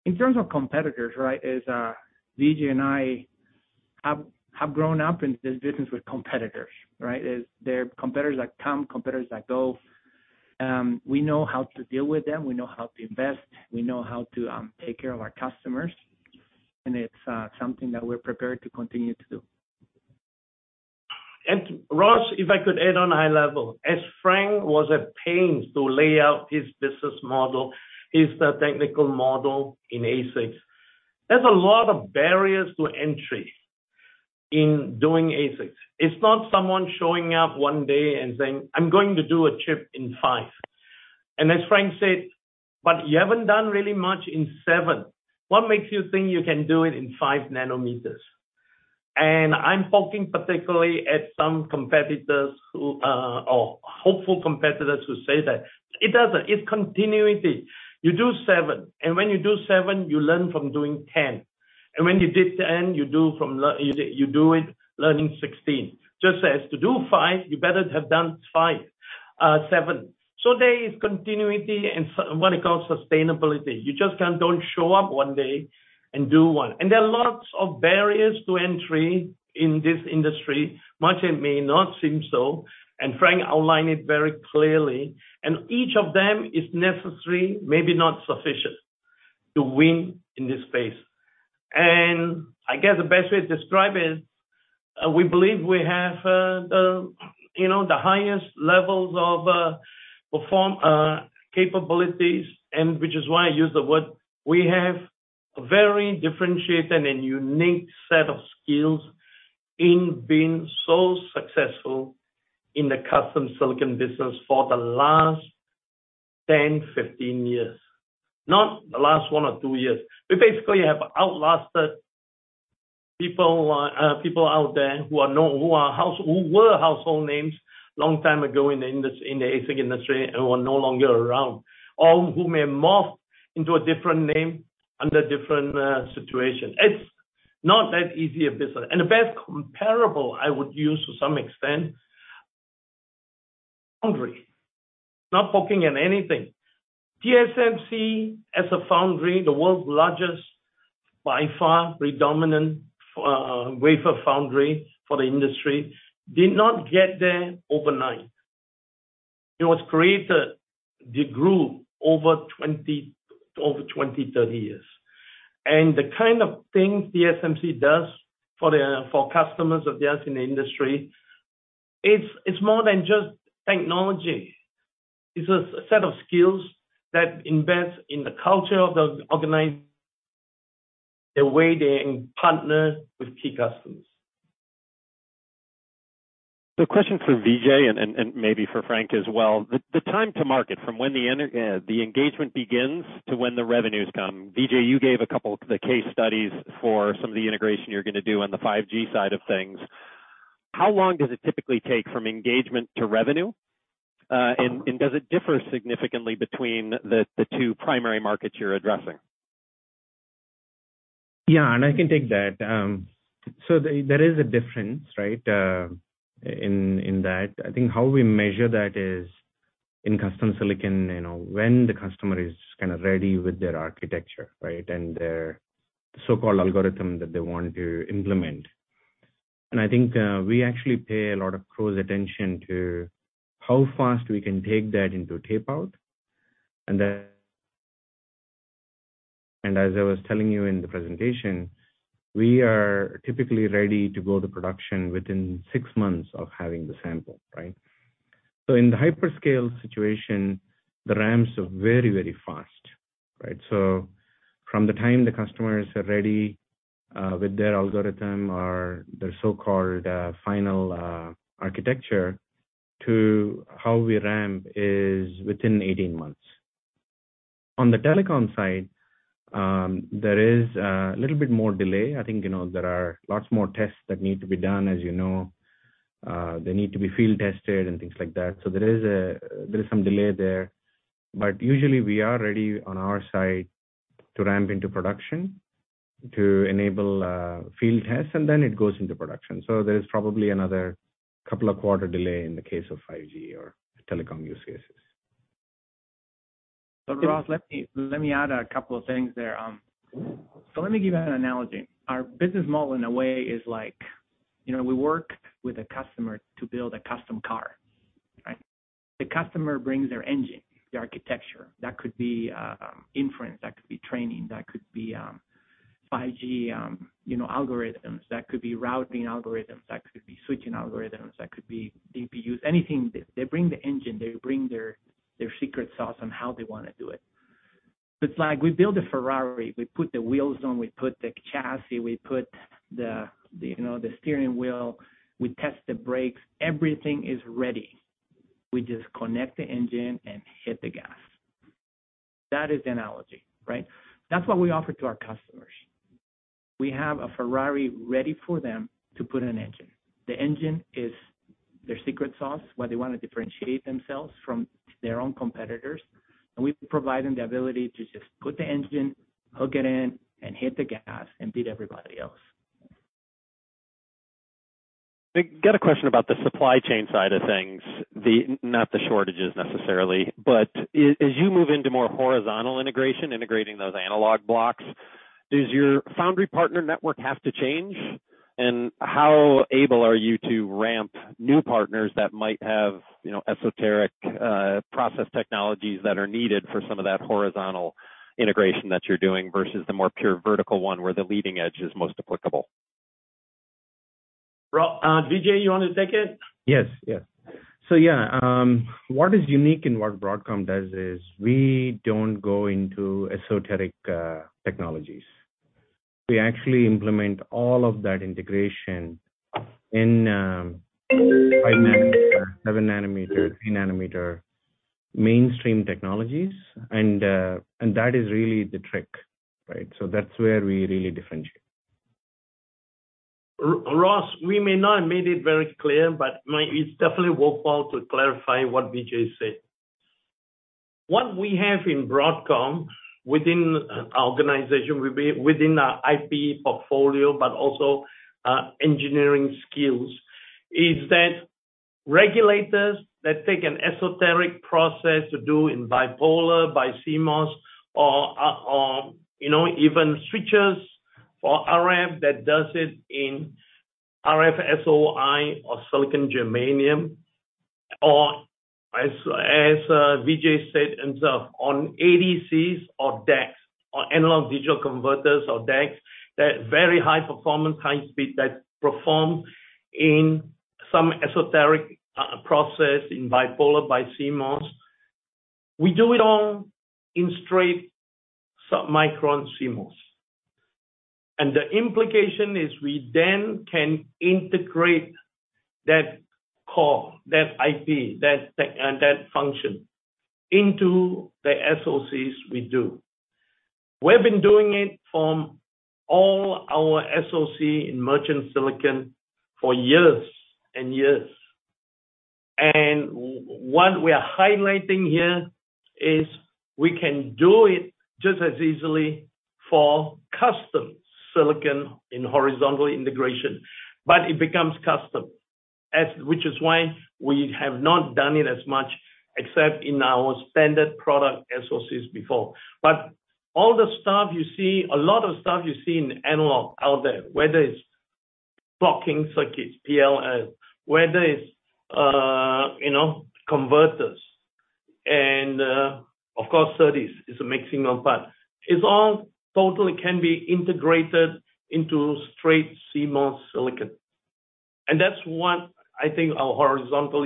In terms of competitors, right, Vijay and I have grown up in this business with competitors, right? There are competitors that come, competitors that go. We know how to deal with them. We know how to invest. We know how to take care of our customers. It's something that we're prepared to continue to do. Ross, if I could add on a high level. As Frank was at pains to lay out his business model, his technical model in ASICs, there's a lot of barriers to entry in doing ASICs. It's not someone showing up one day and saying, I'm going to do a chip in 5. As Frank said, But you haven't done really much in 7. What makes you think you can do it in 5 nm? I'm talking particularly to some competitors or hopeful competitors who say that. It doesn't. It's continuity. You do 7, and when you do 7, you learn from doing 10. When you did 10, you learn from doing 16. Just to do 5, you better have done 7. There is continuity and what they call sustainability. You just can't show up one day and do one. There are lots of barriers to entry in this industry, much as it may not seem so, and Frank outlined it very clearly. Each of them is necessary, maybe not sufficient, to win in this space. I guess the best way to describe it, we believe we have you know the highest levels of performance capabilities and which is why I use the word, we have very differentiated and unique set of skills in being so successful in the custom silicon business for the last 10, 15 years. Not the last one or two years. We basically have outlasted people out there who were household names long time ago in the ASIC industry and who are no longer around or who may morph into a different name under different situation. It's not that easy a business. The best comparable I would use to some extent foundry. Not poking at anything. TSMC as a foundry, the world's largest, by far predominant wafer foundry for the industry, did not get there overnight. It was created. It grew over 20, 30 years. The kind of things TSMC does for the customers of theirs in the industry. It's more than just technology. It's a set of skills that invest in the culture of the organization the way they partner with key customers. Question for Vijay and maybe for Frank as well. The time to market from when the engagement begins to when the revenues come. Vijay, you gave a couple of the case studies for some of the integration you're gonna do on the 5G side of things. How long does it typically take from engagement to revenue? And does it differ significantly between the two primary markets you're addressing? Yeah, I can take that. There is a difference, right, in that. I think how we measure that is in custom silicon, you know, when the customer is kind of ready with their architecture, right? Their so-called algorithm that they want to implement. I think we actually pay a lot of close attention to how fast we can take that into tape-out. As I was telling you in the presentation, we are typically ready to go to production within 6 months of having the sample, right? In the hyperscale situation, the ramps are very fast, right? From the time the customers are ready with their algorithm or their so-called final architecture to how we ramp is within 18 months. On the telecom side, there is a little bit more delay. I think, you know, there are lots more tests that need to be done. As you know, they need to be field tested and things like that. There is some delay there, but usually we are ready on our side to ramp into production to enable field tests, and then it goes into production. There is probably another couple of quarter delay in the case of 5G or telecom use cases. Ross, let me add a couple of things there. Let me give an analogy. Our business model in a way is like, you know, we work with a customer to build a custom car, right? The customer brings their engine, the architecture. That could be inference, that could be training, that could be 5G, you know, algorithms, that could be routing algorithms, that could be switching algorithms, that could be DPUs, anything. They bring the engine, they bring their secret sauce on how they wanna do it. It's like we build a Ferrari, we put the wheels on, we put the chassis, we put the, you know, the steering wheel, we test the brakes, everything is ready. We just connect the engine and hit the gas. That is the analogy, right? That's what we offer to our customers. We have a Ferrari ready for them to put an engine. The engine is Their secret sauce, where they want to differentiate themselves from their own competitors. We provide them the ability to just put the engine, hook it in, and hit the gas and beat everybody else. I got a question about the supply chain side of things. Not the shortages necessarily, but as you move into more horizontal integration, integrating those analog blocks, does your foundry partner network have to change? How able are you to ramp new partners that might have, you know, esoteric process technologies that are needed for some of that horizontal integration that you're doing versus the more pure vertical one where the leading edge is most applicable? Well, Vijay, you want to take it? Yes. What is unique in what Broadcom does is we don't go into esoteric technologies. We actually implement all of that integration in 5 nm, 7 nm, 3 nm mainstream technologies. That is really the trick, right? That's where we really differentiate. Ross, we may not have made it very clear, but it's definitely worthwhile to clarify what Vijay said. What we have in Broadcom within our organization, within our IP portfolio, but also engineering skills, is that regulators that take an esoteric process to do in bipolar BiCMOS or even switches for RF that does it in RFSOI or silicon germanium. Or as Vijay said himself on ADCs or DACs or analog digital converters or DACs, that very high performance, high speed that perform in some esoteric process in bipolar BiCMOS. We do it all in straight submicron CMOS. The implication is we then can integrate that core, that IP, that tech and that function into the SoCs we do. We have been doing it from all our SoC in merchant silicon for years and years. What we are highlighting here is we can do it just as easily for custom silicon in horizontal integration, but it becomes custom, as which is why we have not done it as much except in our standard product SoCs before. All the stuff you see, a lot of stuff you see in analog out there, whether it's clocking circuits, PLL, whether it's, you know, converters and, of course, SerDes is a mixing of parts. It's all totally can be integrated into straight CMOS silicon. That's what I think our horizontal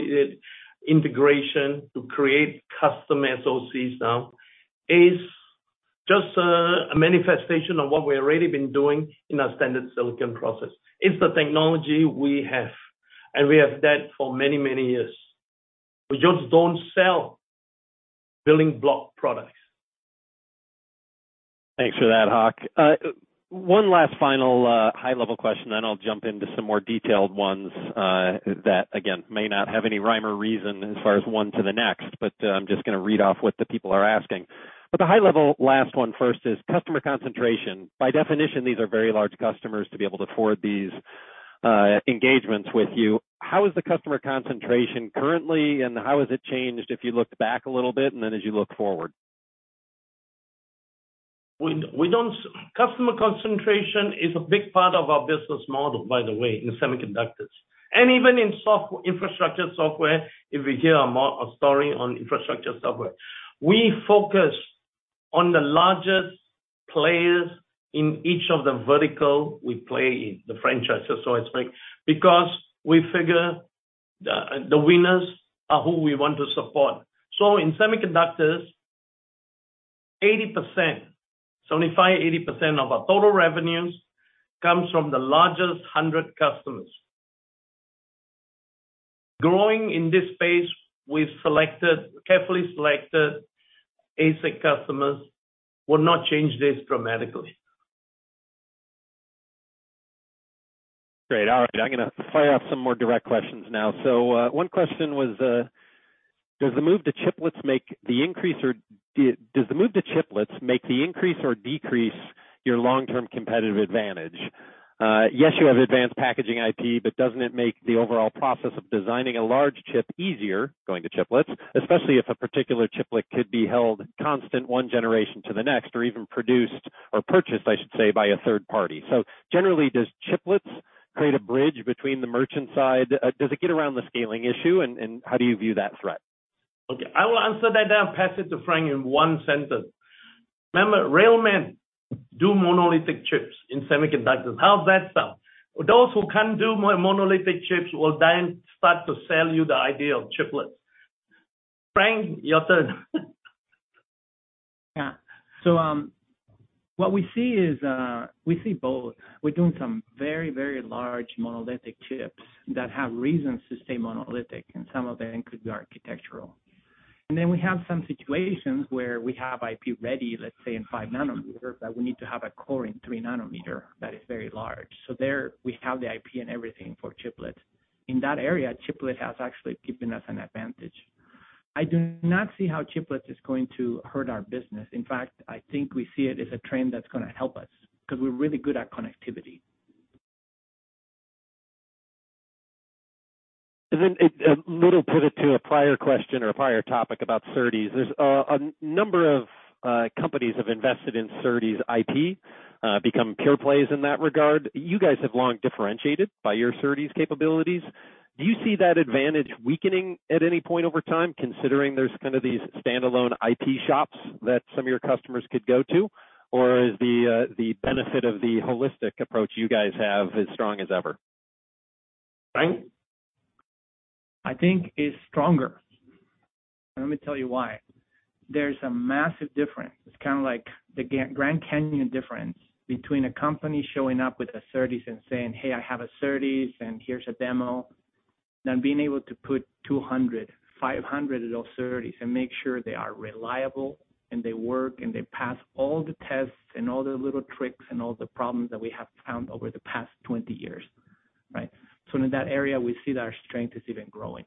integration to create custom SoCs now is just a manifestation of what we've already been doing in our standard silicon process. It's the technology we have, and we have had for many, many years. We just don't sell building block products. Thanks for that, Hock. One last final high level question, then I'll jump into some more detailed ones that again, may not have any rhyme or reason as far as one to the next, but I'm just gonna read off what the people are asking. The high level last one first is customer concentration. By definition, these are very large customers to be able to afford these engagements with you. How is the customer concentration currently, and how has it changed if you looked back a little bit and then as you look forward? We don't customer concentration is a big part of our business model, by the way, in semiconductors. Even in infrastructure software, if you hear a story on infrastructure software. We focus on the largest players in each of the vertical we play in, the franchises. It's like. Because we figure the winners are who we want to support. In semiconductors, 75%-80% of our total revenues comes from the largest 100 customers. Growing in this space with carefully selected ASIC customers will not change this dramatically. Great. All right. I'm gonna fire off some more direct questions now. One question was, does the move to chiplets make the increase or decrease your long-term competitive advantage? Yes, you have advanced packaging IP, but doesn't it make the overall process of designing a large chip easier, going to chiplets, especially if a particular chiplet could be held constant one generation to the next or even produced or purchased, I should say, by a third party. Generally, does chiplets create a bridge between the merchant side? Does it get around the scaling issue, and how do you view that threat? Okay, I will answer that then pass it to Frank in one sentence. Remember, real men do monolithic chips in semiconductors. How's that sound? Those who can't do monolithic chips will then start to sell you the idea of chiplets. Frank, your turn. Yeah. What we see is, we see both. We're doing some very, very large monolithic chips that have reasons to stay monolithic, and some of them could be architectural. We have some situations where we have IP ready, let's say in 5 nm, but we need to have a core in 3 nm that is very large. There we have the IP and everything for chiplets. In that area, chiplet has actually given us an advantage. I do not see how chiplets is going to hurt our business. In fact, I think we see it as a trend that's gonna help us because we're really good at connectivity. Then a little pivot to a prior question or a prior topic about SerDes. There's a number of companies have invested in SerDes IP, become pure plays in that regard. You guys have long differentiated by your SerDes capabilities. Do you see that advantage weakening at any point over time, considering there's kind of these standalone IP shops that some of your customers could go to? Or is the benefit of the holistic approach you guys have as strong as ever? Frank? I think it's stronger. Let me tell you why. There's a massive difference. It's kind of like the Grand Canyon difference between a company showing up with a SerDes and saying, Hey, I have a SerDes, and here's a demo. Than being able to put 200, 500 of those SerDes and make sure they are reliable and they work and they pass all the tests and all the little tricks and all the problems that we have found over the past 20 years, right? In that area, we see that our strength is even growing.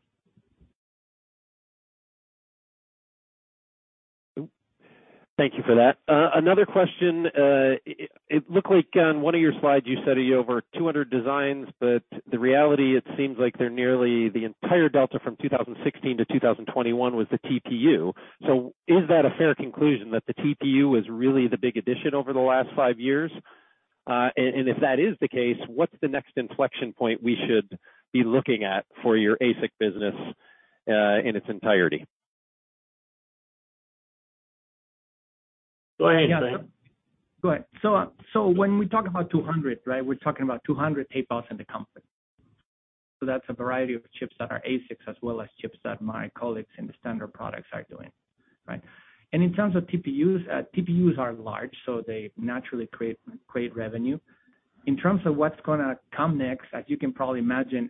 Thank you for that. Another question. It looked like on one of your slides you said you have over 200 designs, but the reality, it seems like there's nearly the entire delta from 2016 to 2021 was the TPU. Is that a fair conclusion that the TPU was really the big addition over the last five years? And if that is the case, what's the next inflection point we should be looking at for your ASIC business, in its entirety? Go ahead. Go ahead. When we talk about 200, right? We're talking about 200 tape-outs in the company. That's a variety of chips that are ASICs as well as chips that my colleagues in the standard products are doing, right? In terms of TPUs are large, so they naturally create revenue. In terms of what's gonna come next, as you can probably imagine,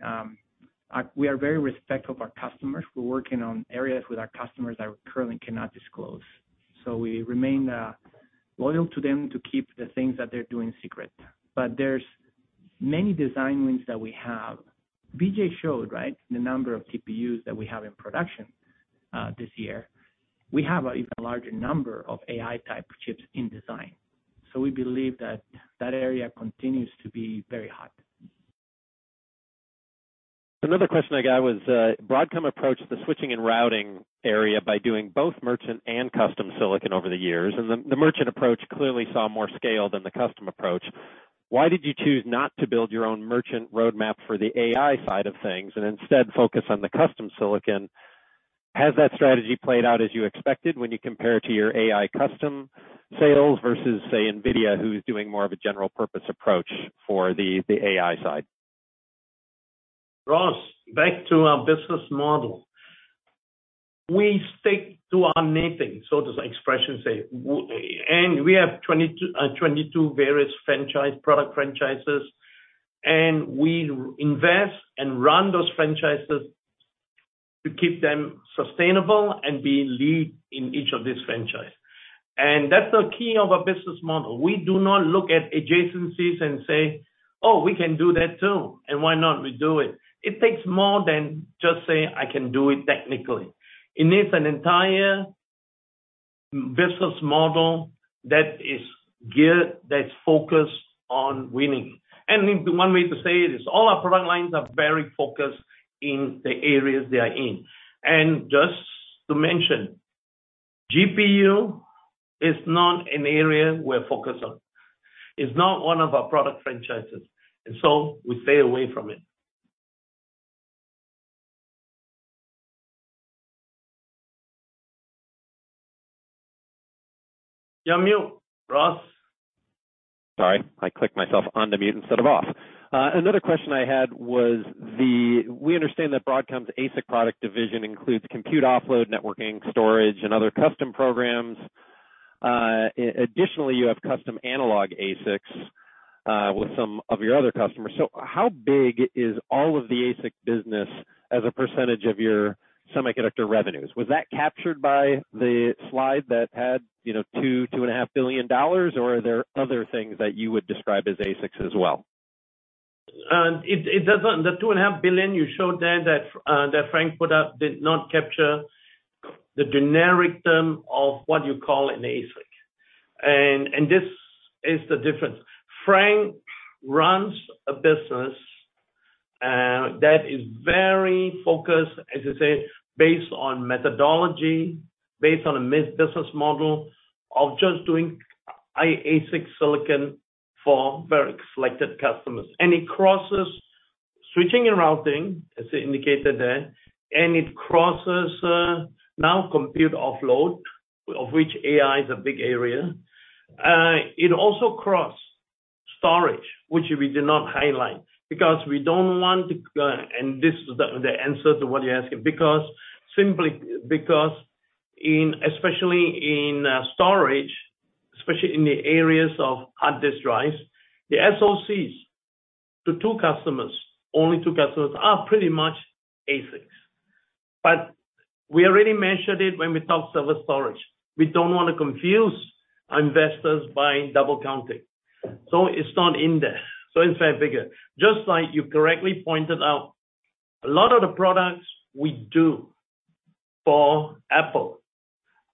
we are very respectful of our customers. We're working on areas with our customers that we currently cannot disclose. We remain loyal to them to keep the things that they're doing secret. There's many design wins that we have. Vijay showed, right? The number of TPUs that we have in production this year. We have an even larger number of AI type chips in design. We believe that area continues to be very hot. Another question I got was, Broadcom approached the switching and routing area by doing both merchant and custom silicon over the years, and the merchant approach clearly saw more scale than the custom approach. Why did you choose not to build your own merchant roadmap for the AI side of things and instead focus on the custom silicon? Has that strategy played out as you expected when you compare it to your AI custom sales versus, say, NVIDIA, who's doing more of a general purpose approach for the AI side? Ross, back to our business model. We stick to our knitting, so the expression goes. We have 22 various product franchises, and we invest and run those franchises to keep them sustainable and be leaders in each of these franchises. That's the key of our business model. We do not look at adjacencies and say, Oh, we can do that too, and why not we do it? It takes more than just saying, I can do it technically. It needs an entire business model that is geared, that's focused on winning. One way to say it is all our product lines are very focused in the areas they are in. Just to mention, GPU is not an area we're focused on. It's not one of our product franchises, and so we stay away from it. You're on mute, Ross. Sorry, I clicked myself onto mute instead of off. Another question I had was we understand that Broadcom's ASIC product division includes compute offload, networking, storage, and other custom programs. Additionally, you have custom analog ASICs with some of your other customers. How big is all of the ASIC business as a percentage of your semiconductor revenues? Was that captured by the slide that had, you know, $2-$2.5 billion, or are there other things that you would describe as ASICs as well? It doesn't. The $2.5 billion you showed there that Frank put up did not capture the generic term of what you call an ASIC. This is the difference. Frank runs a business that is very focused, as you say, based on methodology, based on a mix business model of just doing ASIC silicon for very selected customers. It crosses switching and routing, as indicated there, and it crosses now compute offload, of which AI is a big area. It also crosses storage, which we do not highlight because we don't want to, and this is the answer to what you're asking because simply because in, especially in storage, especially in the areas of hard disk drives, the SoCs to two customers, only two customers are pretty much ASICs. We already mentioned it when we talked server storage. We don't want to confuse our investors by double-counting. It's not in there. In fact, figure, just like you correctly pointed out, a lot of the products we do for Apple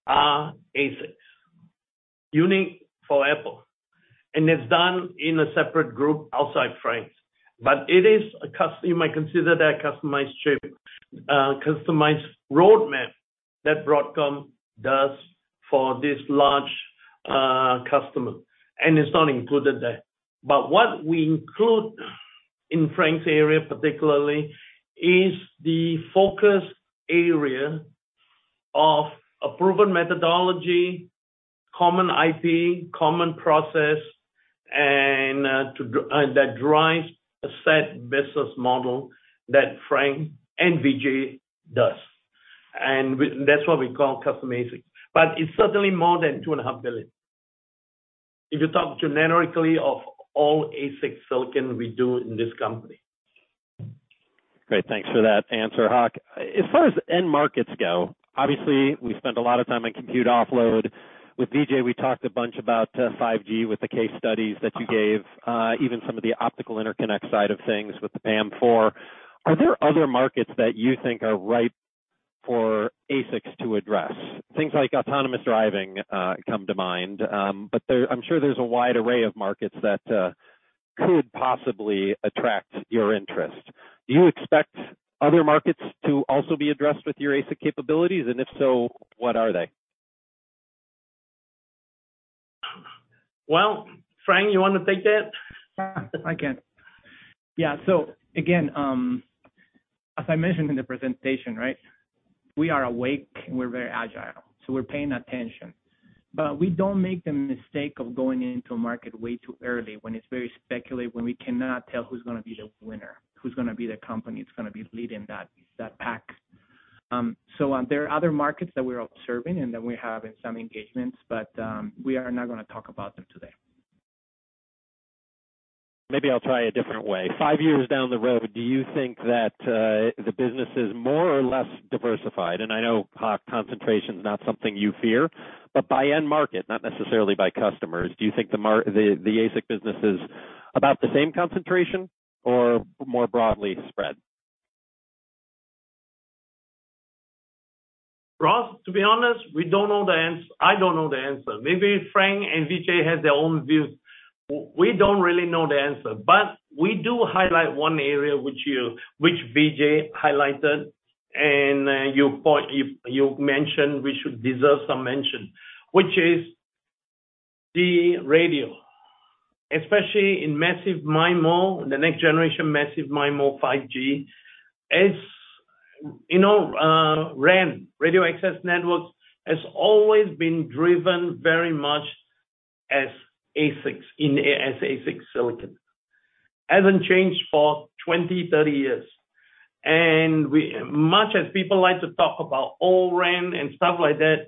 are ASICs, unique for Apple, and it's done in a separate group outside Frank's. It is a customized chip, you might consider that a customized chip, customized roadmap that Broadcom does for this large customer, and it's not included there. What we include in Frank's area particularly is the focus area of a proven methodology, common IP, common process, and that drives a set business model that Frank and Vijay does. That's what we call custom ASIC. It's certainly more than $2.5 billion. If you talk generically of all ASIC silicon we do in this company. Great, thanks for that answer, Hock. As far as end markets go, obviously we spent a lot of time on compute offload. With Vijay, we talked a bunch about 5G with the case studies that you gave, even some of the optical interconnect side of things with the PAM4. Are there other markets that you think are ripe for ASICs to address? Things like autonomous driving come to mind. But I'm sure there's a wide array of markets that could possibly attract your interest. Do you expect other markets to also be addressed with your ASIC capabilities? If so, what are they? Well, Frank, you want to take that? I can. Yeah. Again, as I mentioned in the presentation, right? We are awake, and we're very agile, so we're paying attention. We don't make the mistake of going into a market way too early when it's very speculative, when we cannot tell who's gonna be the winner, who's gonna be the company that's gonna be leading that pack. There are other markets that we're observing and that we have in some engagements, but we are not gonna talk about them today. Maybe I'll try a different way. Five years down the road, do you think that the business is more or less diversified? I know, Hock, concentration is not something you fear, but by end market, not necessarily by customers, do you think the ASIC business is about the same concentration or more broadly spread? Ross, to be honest, I don't know the answer. Maybe Frank and Vijay have their own views. We don't really know the answer. We do highlight one area which Vijay highlighted, and you mentioned we should deserve some mention, which is the radio, especially in Massive MIMO, the next generation Massive MIMO 5G. You know, RAN, radio access networks, has always been driven very much as ASICs as ASIC silicon. Hasn't changed for 20, 30 years. We, much as people like to talk about O-RAN and stuff like that,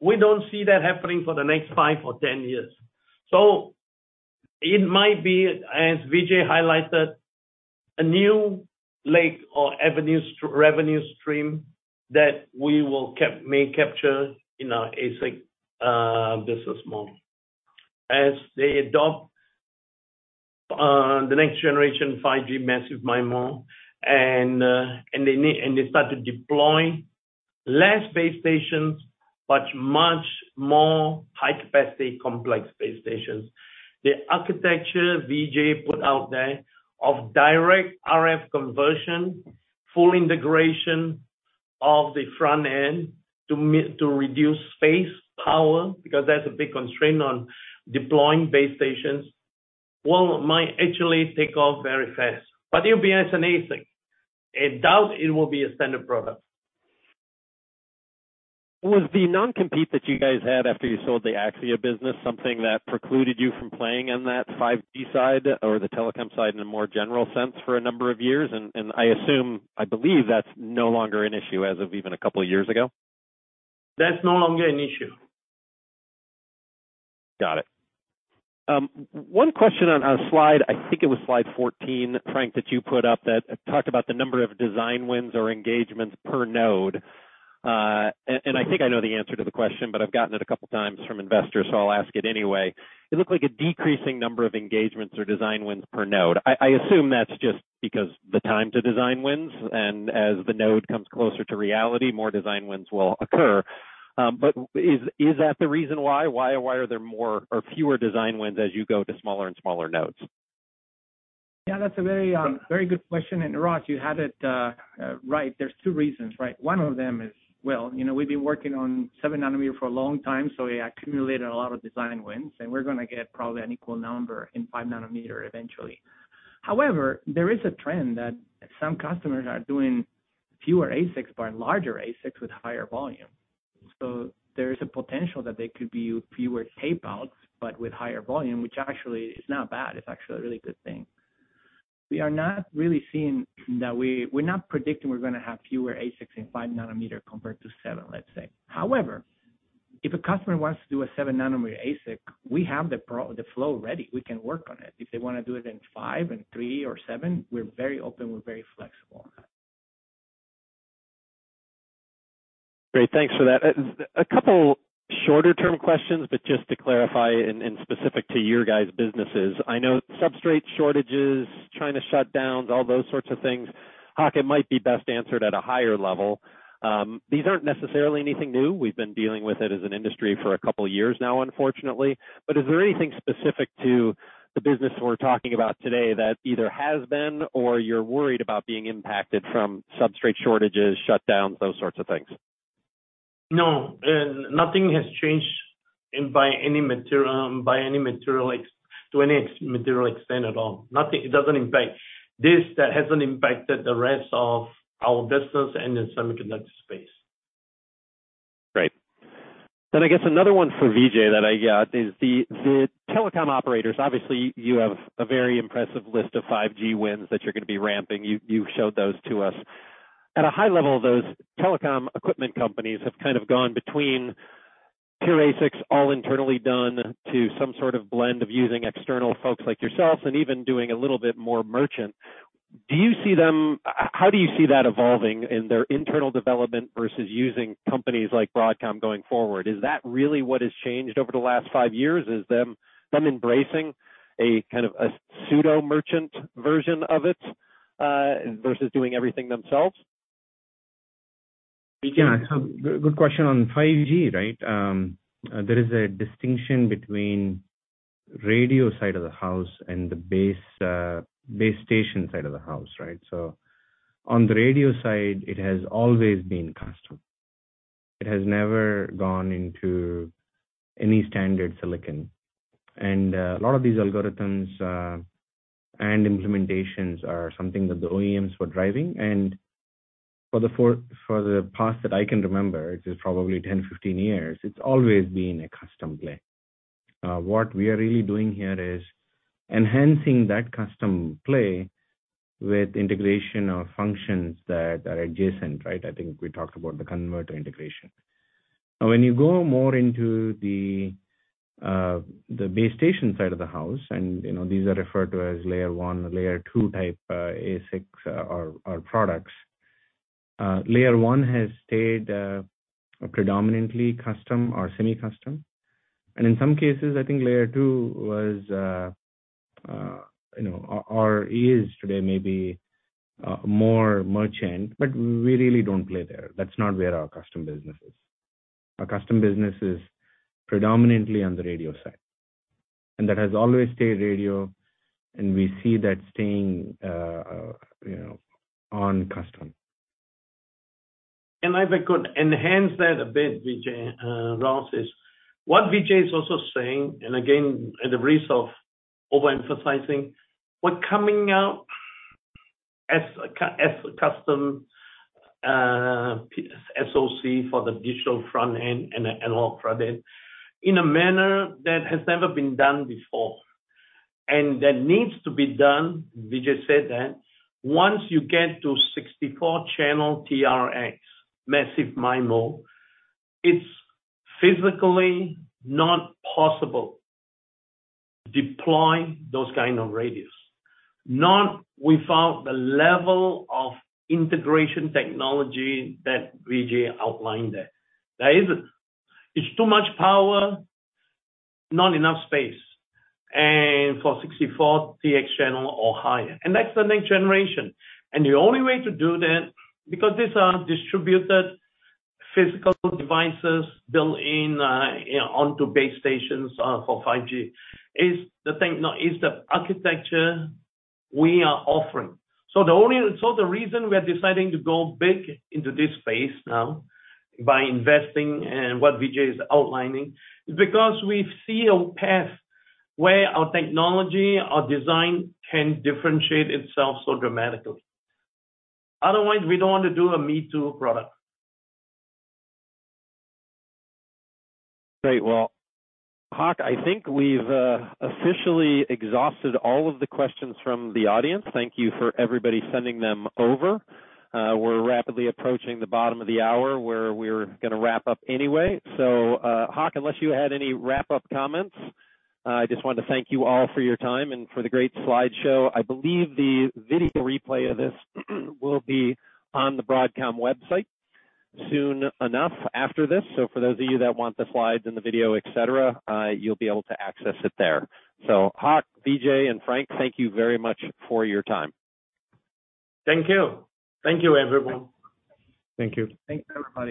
we don't see that happening for the next 5 or 10 years. It might be, as Vijay highlighted, a new leg or avenues to revenue stream that we may capture in our ASIC business model. As they adopt the next generation 5G Massive MIMO and they start to deploy less base stations, but much more high-capacity complex base stations. The architecture Vijay put out there of direct RF conversion, full integration of the front end to reduce space, power, because that's a big constraint on deploying base stations, well, might actually take off very fast. It'll be as an ASIC. I doubt it will be a standard product. Was the non-compete that you guys had after you sold the Axxia business something that precluded you from playing in that 5G side or the telecom side in a more general sense for a number of years? I assume, I believe that's no longer an issue as of even a couple of years ago. That's no longer an issue. Got it. One question on a slide, I think it was slide 14, Frank, that you put up that talked about the number of design wins or engagements per node. I think I know the answer to the question, but I've gotten it a couple of times from investors, so I'll ask it anyway. It looked like a decreasing number of engagements or design wins per node. I assume that's just because the time to design wins, and as the node comes closer to reality, more design wins will occur. Is that the reason why? Why are there more or fewer design wins as you go to smaller and smaller nodes? Yeah, that's a very, very good question. Ross, you had it right. There's 2 reasons, right? One of them is, you know, we've been working on 7 nm for a long time, so we accumulated a lot of design wins, and we're gonna get probably an equal number in 5 nm eventually. However, there is a trend that some customers are doing fewer ASICs, but larger ASICs with higher volume. There is a potential that there could be fewer tape-outs, but with higher volume, which actually is not bad. It's actually a really good thing. We are not really seeing that we're not predicting we're gonna have fewer ASICs in 5 nm compared to 7, let's say. However, If a customer wants to do a 7 nm ASIC, we have the flow ready, we can work on it. If they wanna do it in 5 and 3 or 7, we're very open, we're very flexible on that. Great. Thanks for that. A couple shorter term questions, but just to clarify in specific to your guys' businesses. I know substrate shortages, China shutdowns, all those sorts of things, Hock. It might be best answered at a higher level. These aren't necessarily anything new. We've been dealing with it as an industry for a couple of years now, unfortunately. Is there anything specific to the business we're talking about today that either has been or you're worried about being impacted from substrate shortages, shutdowns, those sorts of things? No. Nothing has changed by any material extent at all. Nothing. It doesn't impact. That hasn't impacted the rest of our business and the semiconductor space. Great. I guess another one for Vijay that I got is the telecom operators. Obviously, you have a very impressive list of 5G wins that you're gonna be ramping. You showed those to us. At a high level, those telecom equipment companies have kind of gone between pure ASICs all internally done to some sort of blend of using external folks like yourselves and even doing a little bit more merchant. Do you see them? How do you see that evolving in their internal development versus using companies like Broadcom going forward? Is that really what has changed over the last five years? Is them embracing a kind of a pseudo merchant version of it versus doing everything themselves? Vijay? Yeah. Good question on 5G, right? There is a distinction between radio side of the house and the base station side of the house, right? On the radio side, it has always been custom. It has never gone into any standard silicon. A lot of these algorithms and implementations are something that the OEMs were driving. For the past that I can remember, which is probably 10, 15 years, it's always been a custom play. What we are really doing here is enhancing that custom play with integration of functions that are adjacent, right? I think we talked about the converter integration. When you go more into the base station side of the house, you know, these are referred to as layer one or layer two type ASICs or products. Layer one has stayed predominantly custom or semi-custom. In some cases, I think layer two was, you know, or is today maybe more merchant, but we really don't play there. That's not where our custom business is. Our custom business is predominantly on the radio side. That has always stayed radio, and we see that staying, you know, on custom. If I could enhance that a bit, Vijay. Ross said. What Vijay is also saying, and again, at the risk of overemphasizing, we're coming out as a custom SoC for the digital front end and an analog front end in a manner that has never been done before. That needs to be done. Vijay said that, once you get to 64-channel TRX Massive MIMO, it's physically not possible to deploy those kind of radios, not without the level of integration technology that Vijay outlined there. There isn't. It's too much power, not enough space, and for 64 TX channel or higher. That's the next generation. The only way to do that, because these are distributed physical devices built in onto base stations for 5G, is the architecture we are offering. The reason we are deciding to go big into this space now by investing and what Vijay is outlining is because we see a path where our technology, our design can differentiate itself so dramatically. Otherwise, we don't want to do a me-too product. Great. Well, Hock, I think we've officially exhausted all of the questions from the audience. Thank you for everybody sending them over. We're rapidly approaching the bottom of the hour where we're gonna wrap up anyway. Hock, unless you had any wrap up comments, I just wanted to thank you all for your time and for the great slideshow. I believe the video replay of this will be on the Broadcom website soon enough after this. For those of you that want the slides and the video, et cetera, you'll be able to access it there. Hock, Vijay, and Frank, thank you very much for your time. Thank you. Thank you, everyone. Thank you. Thanks, everybody.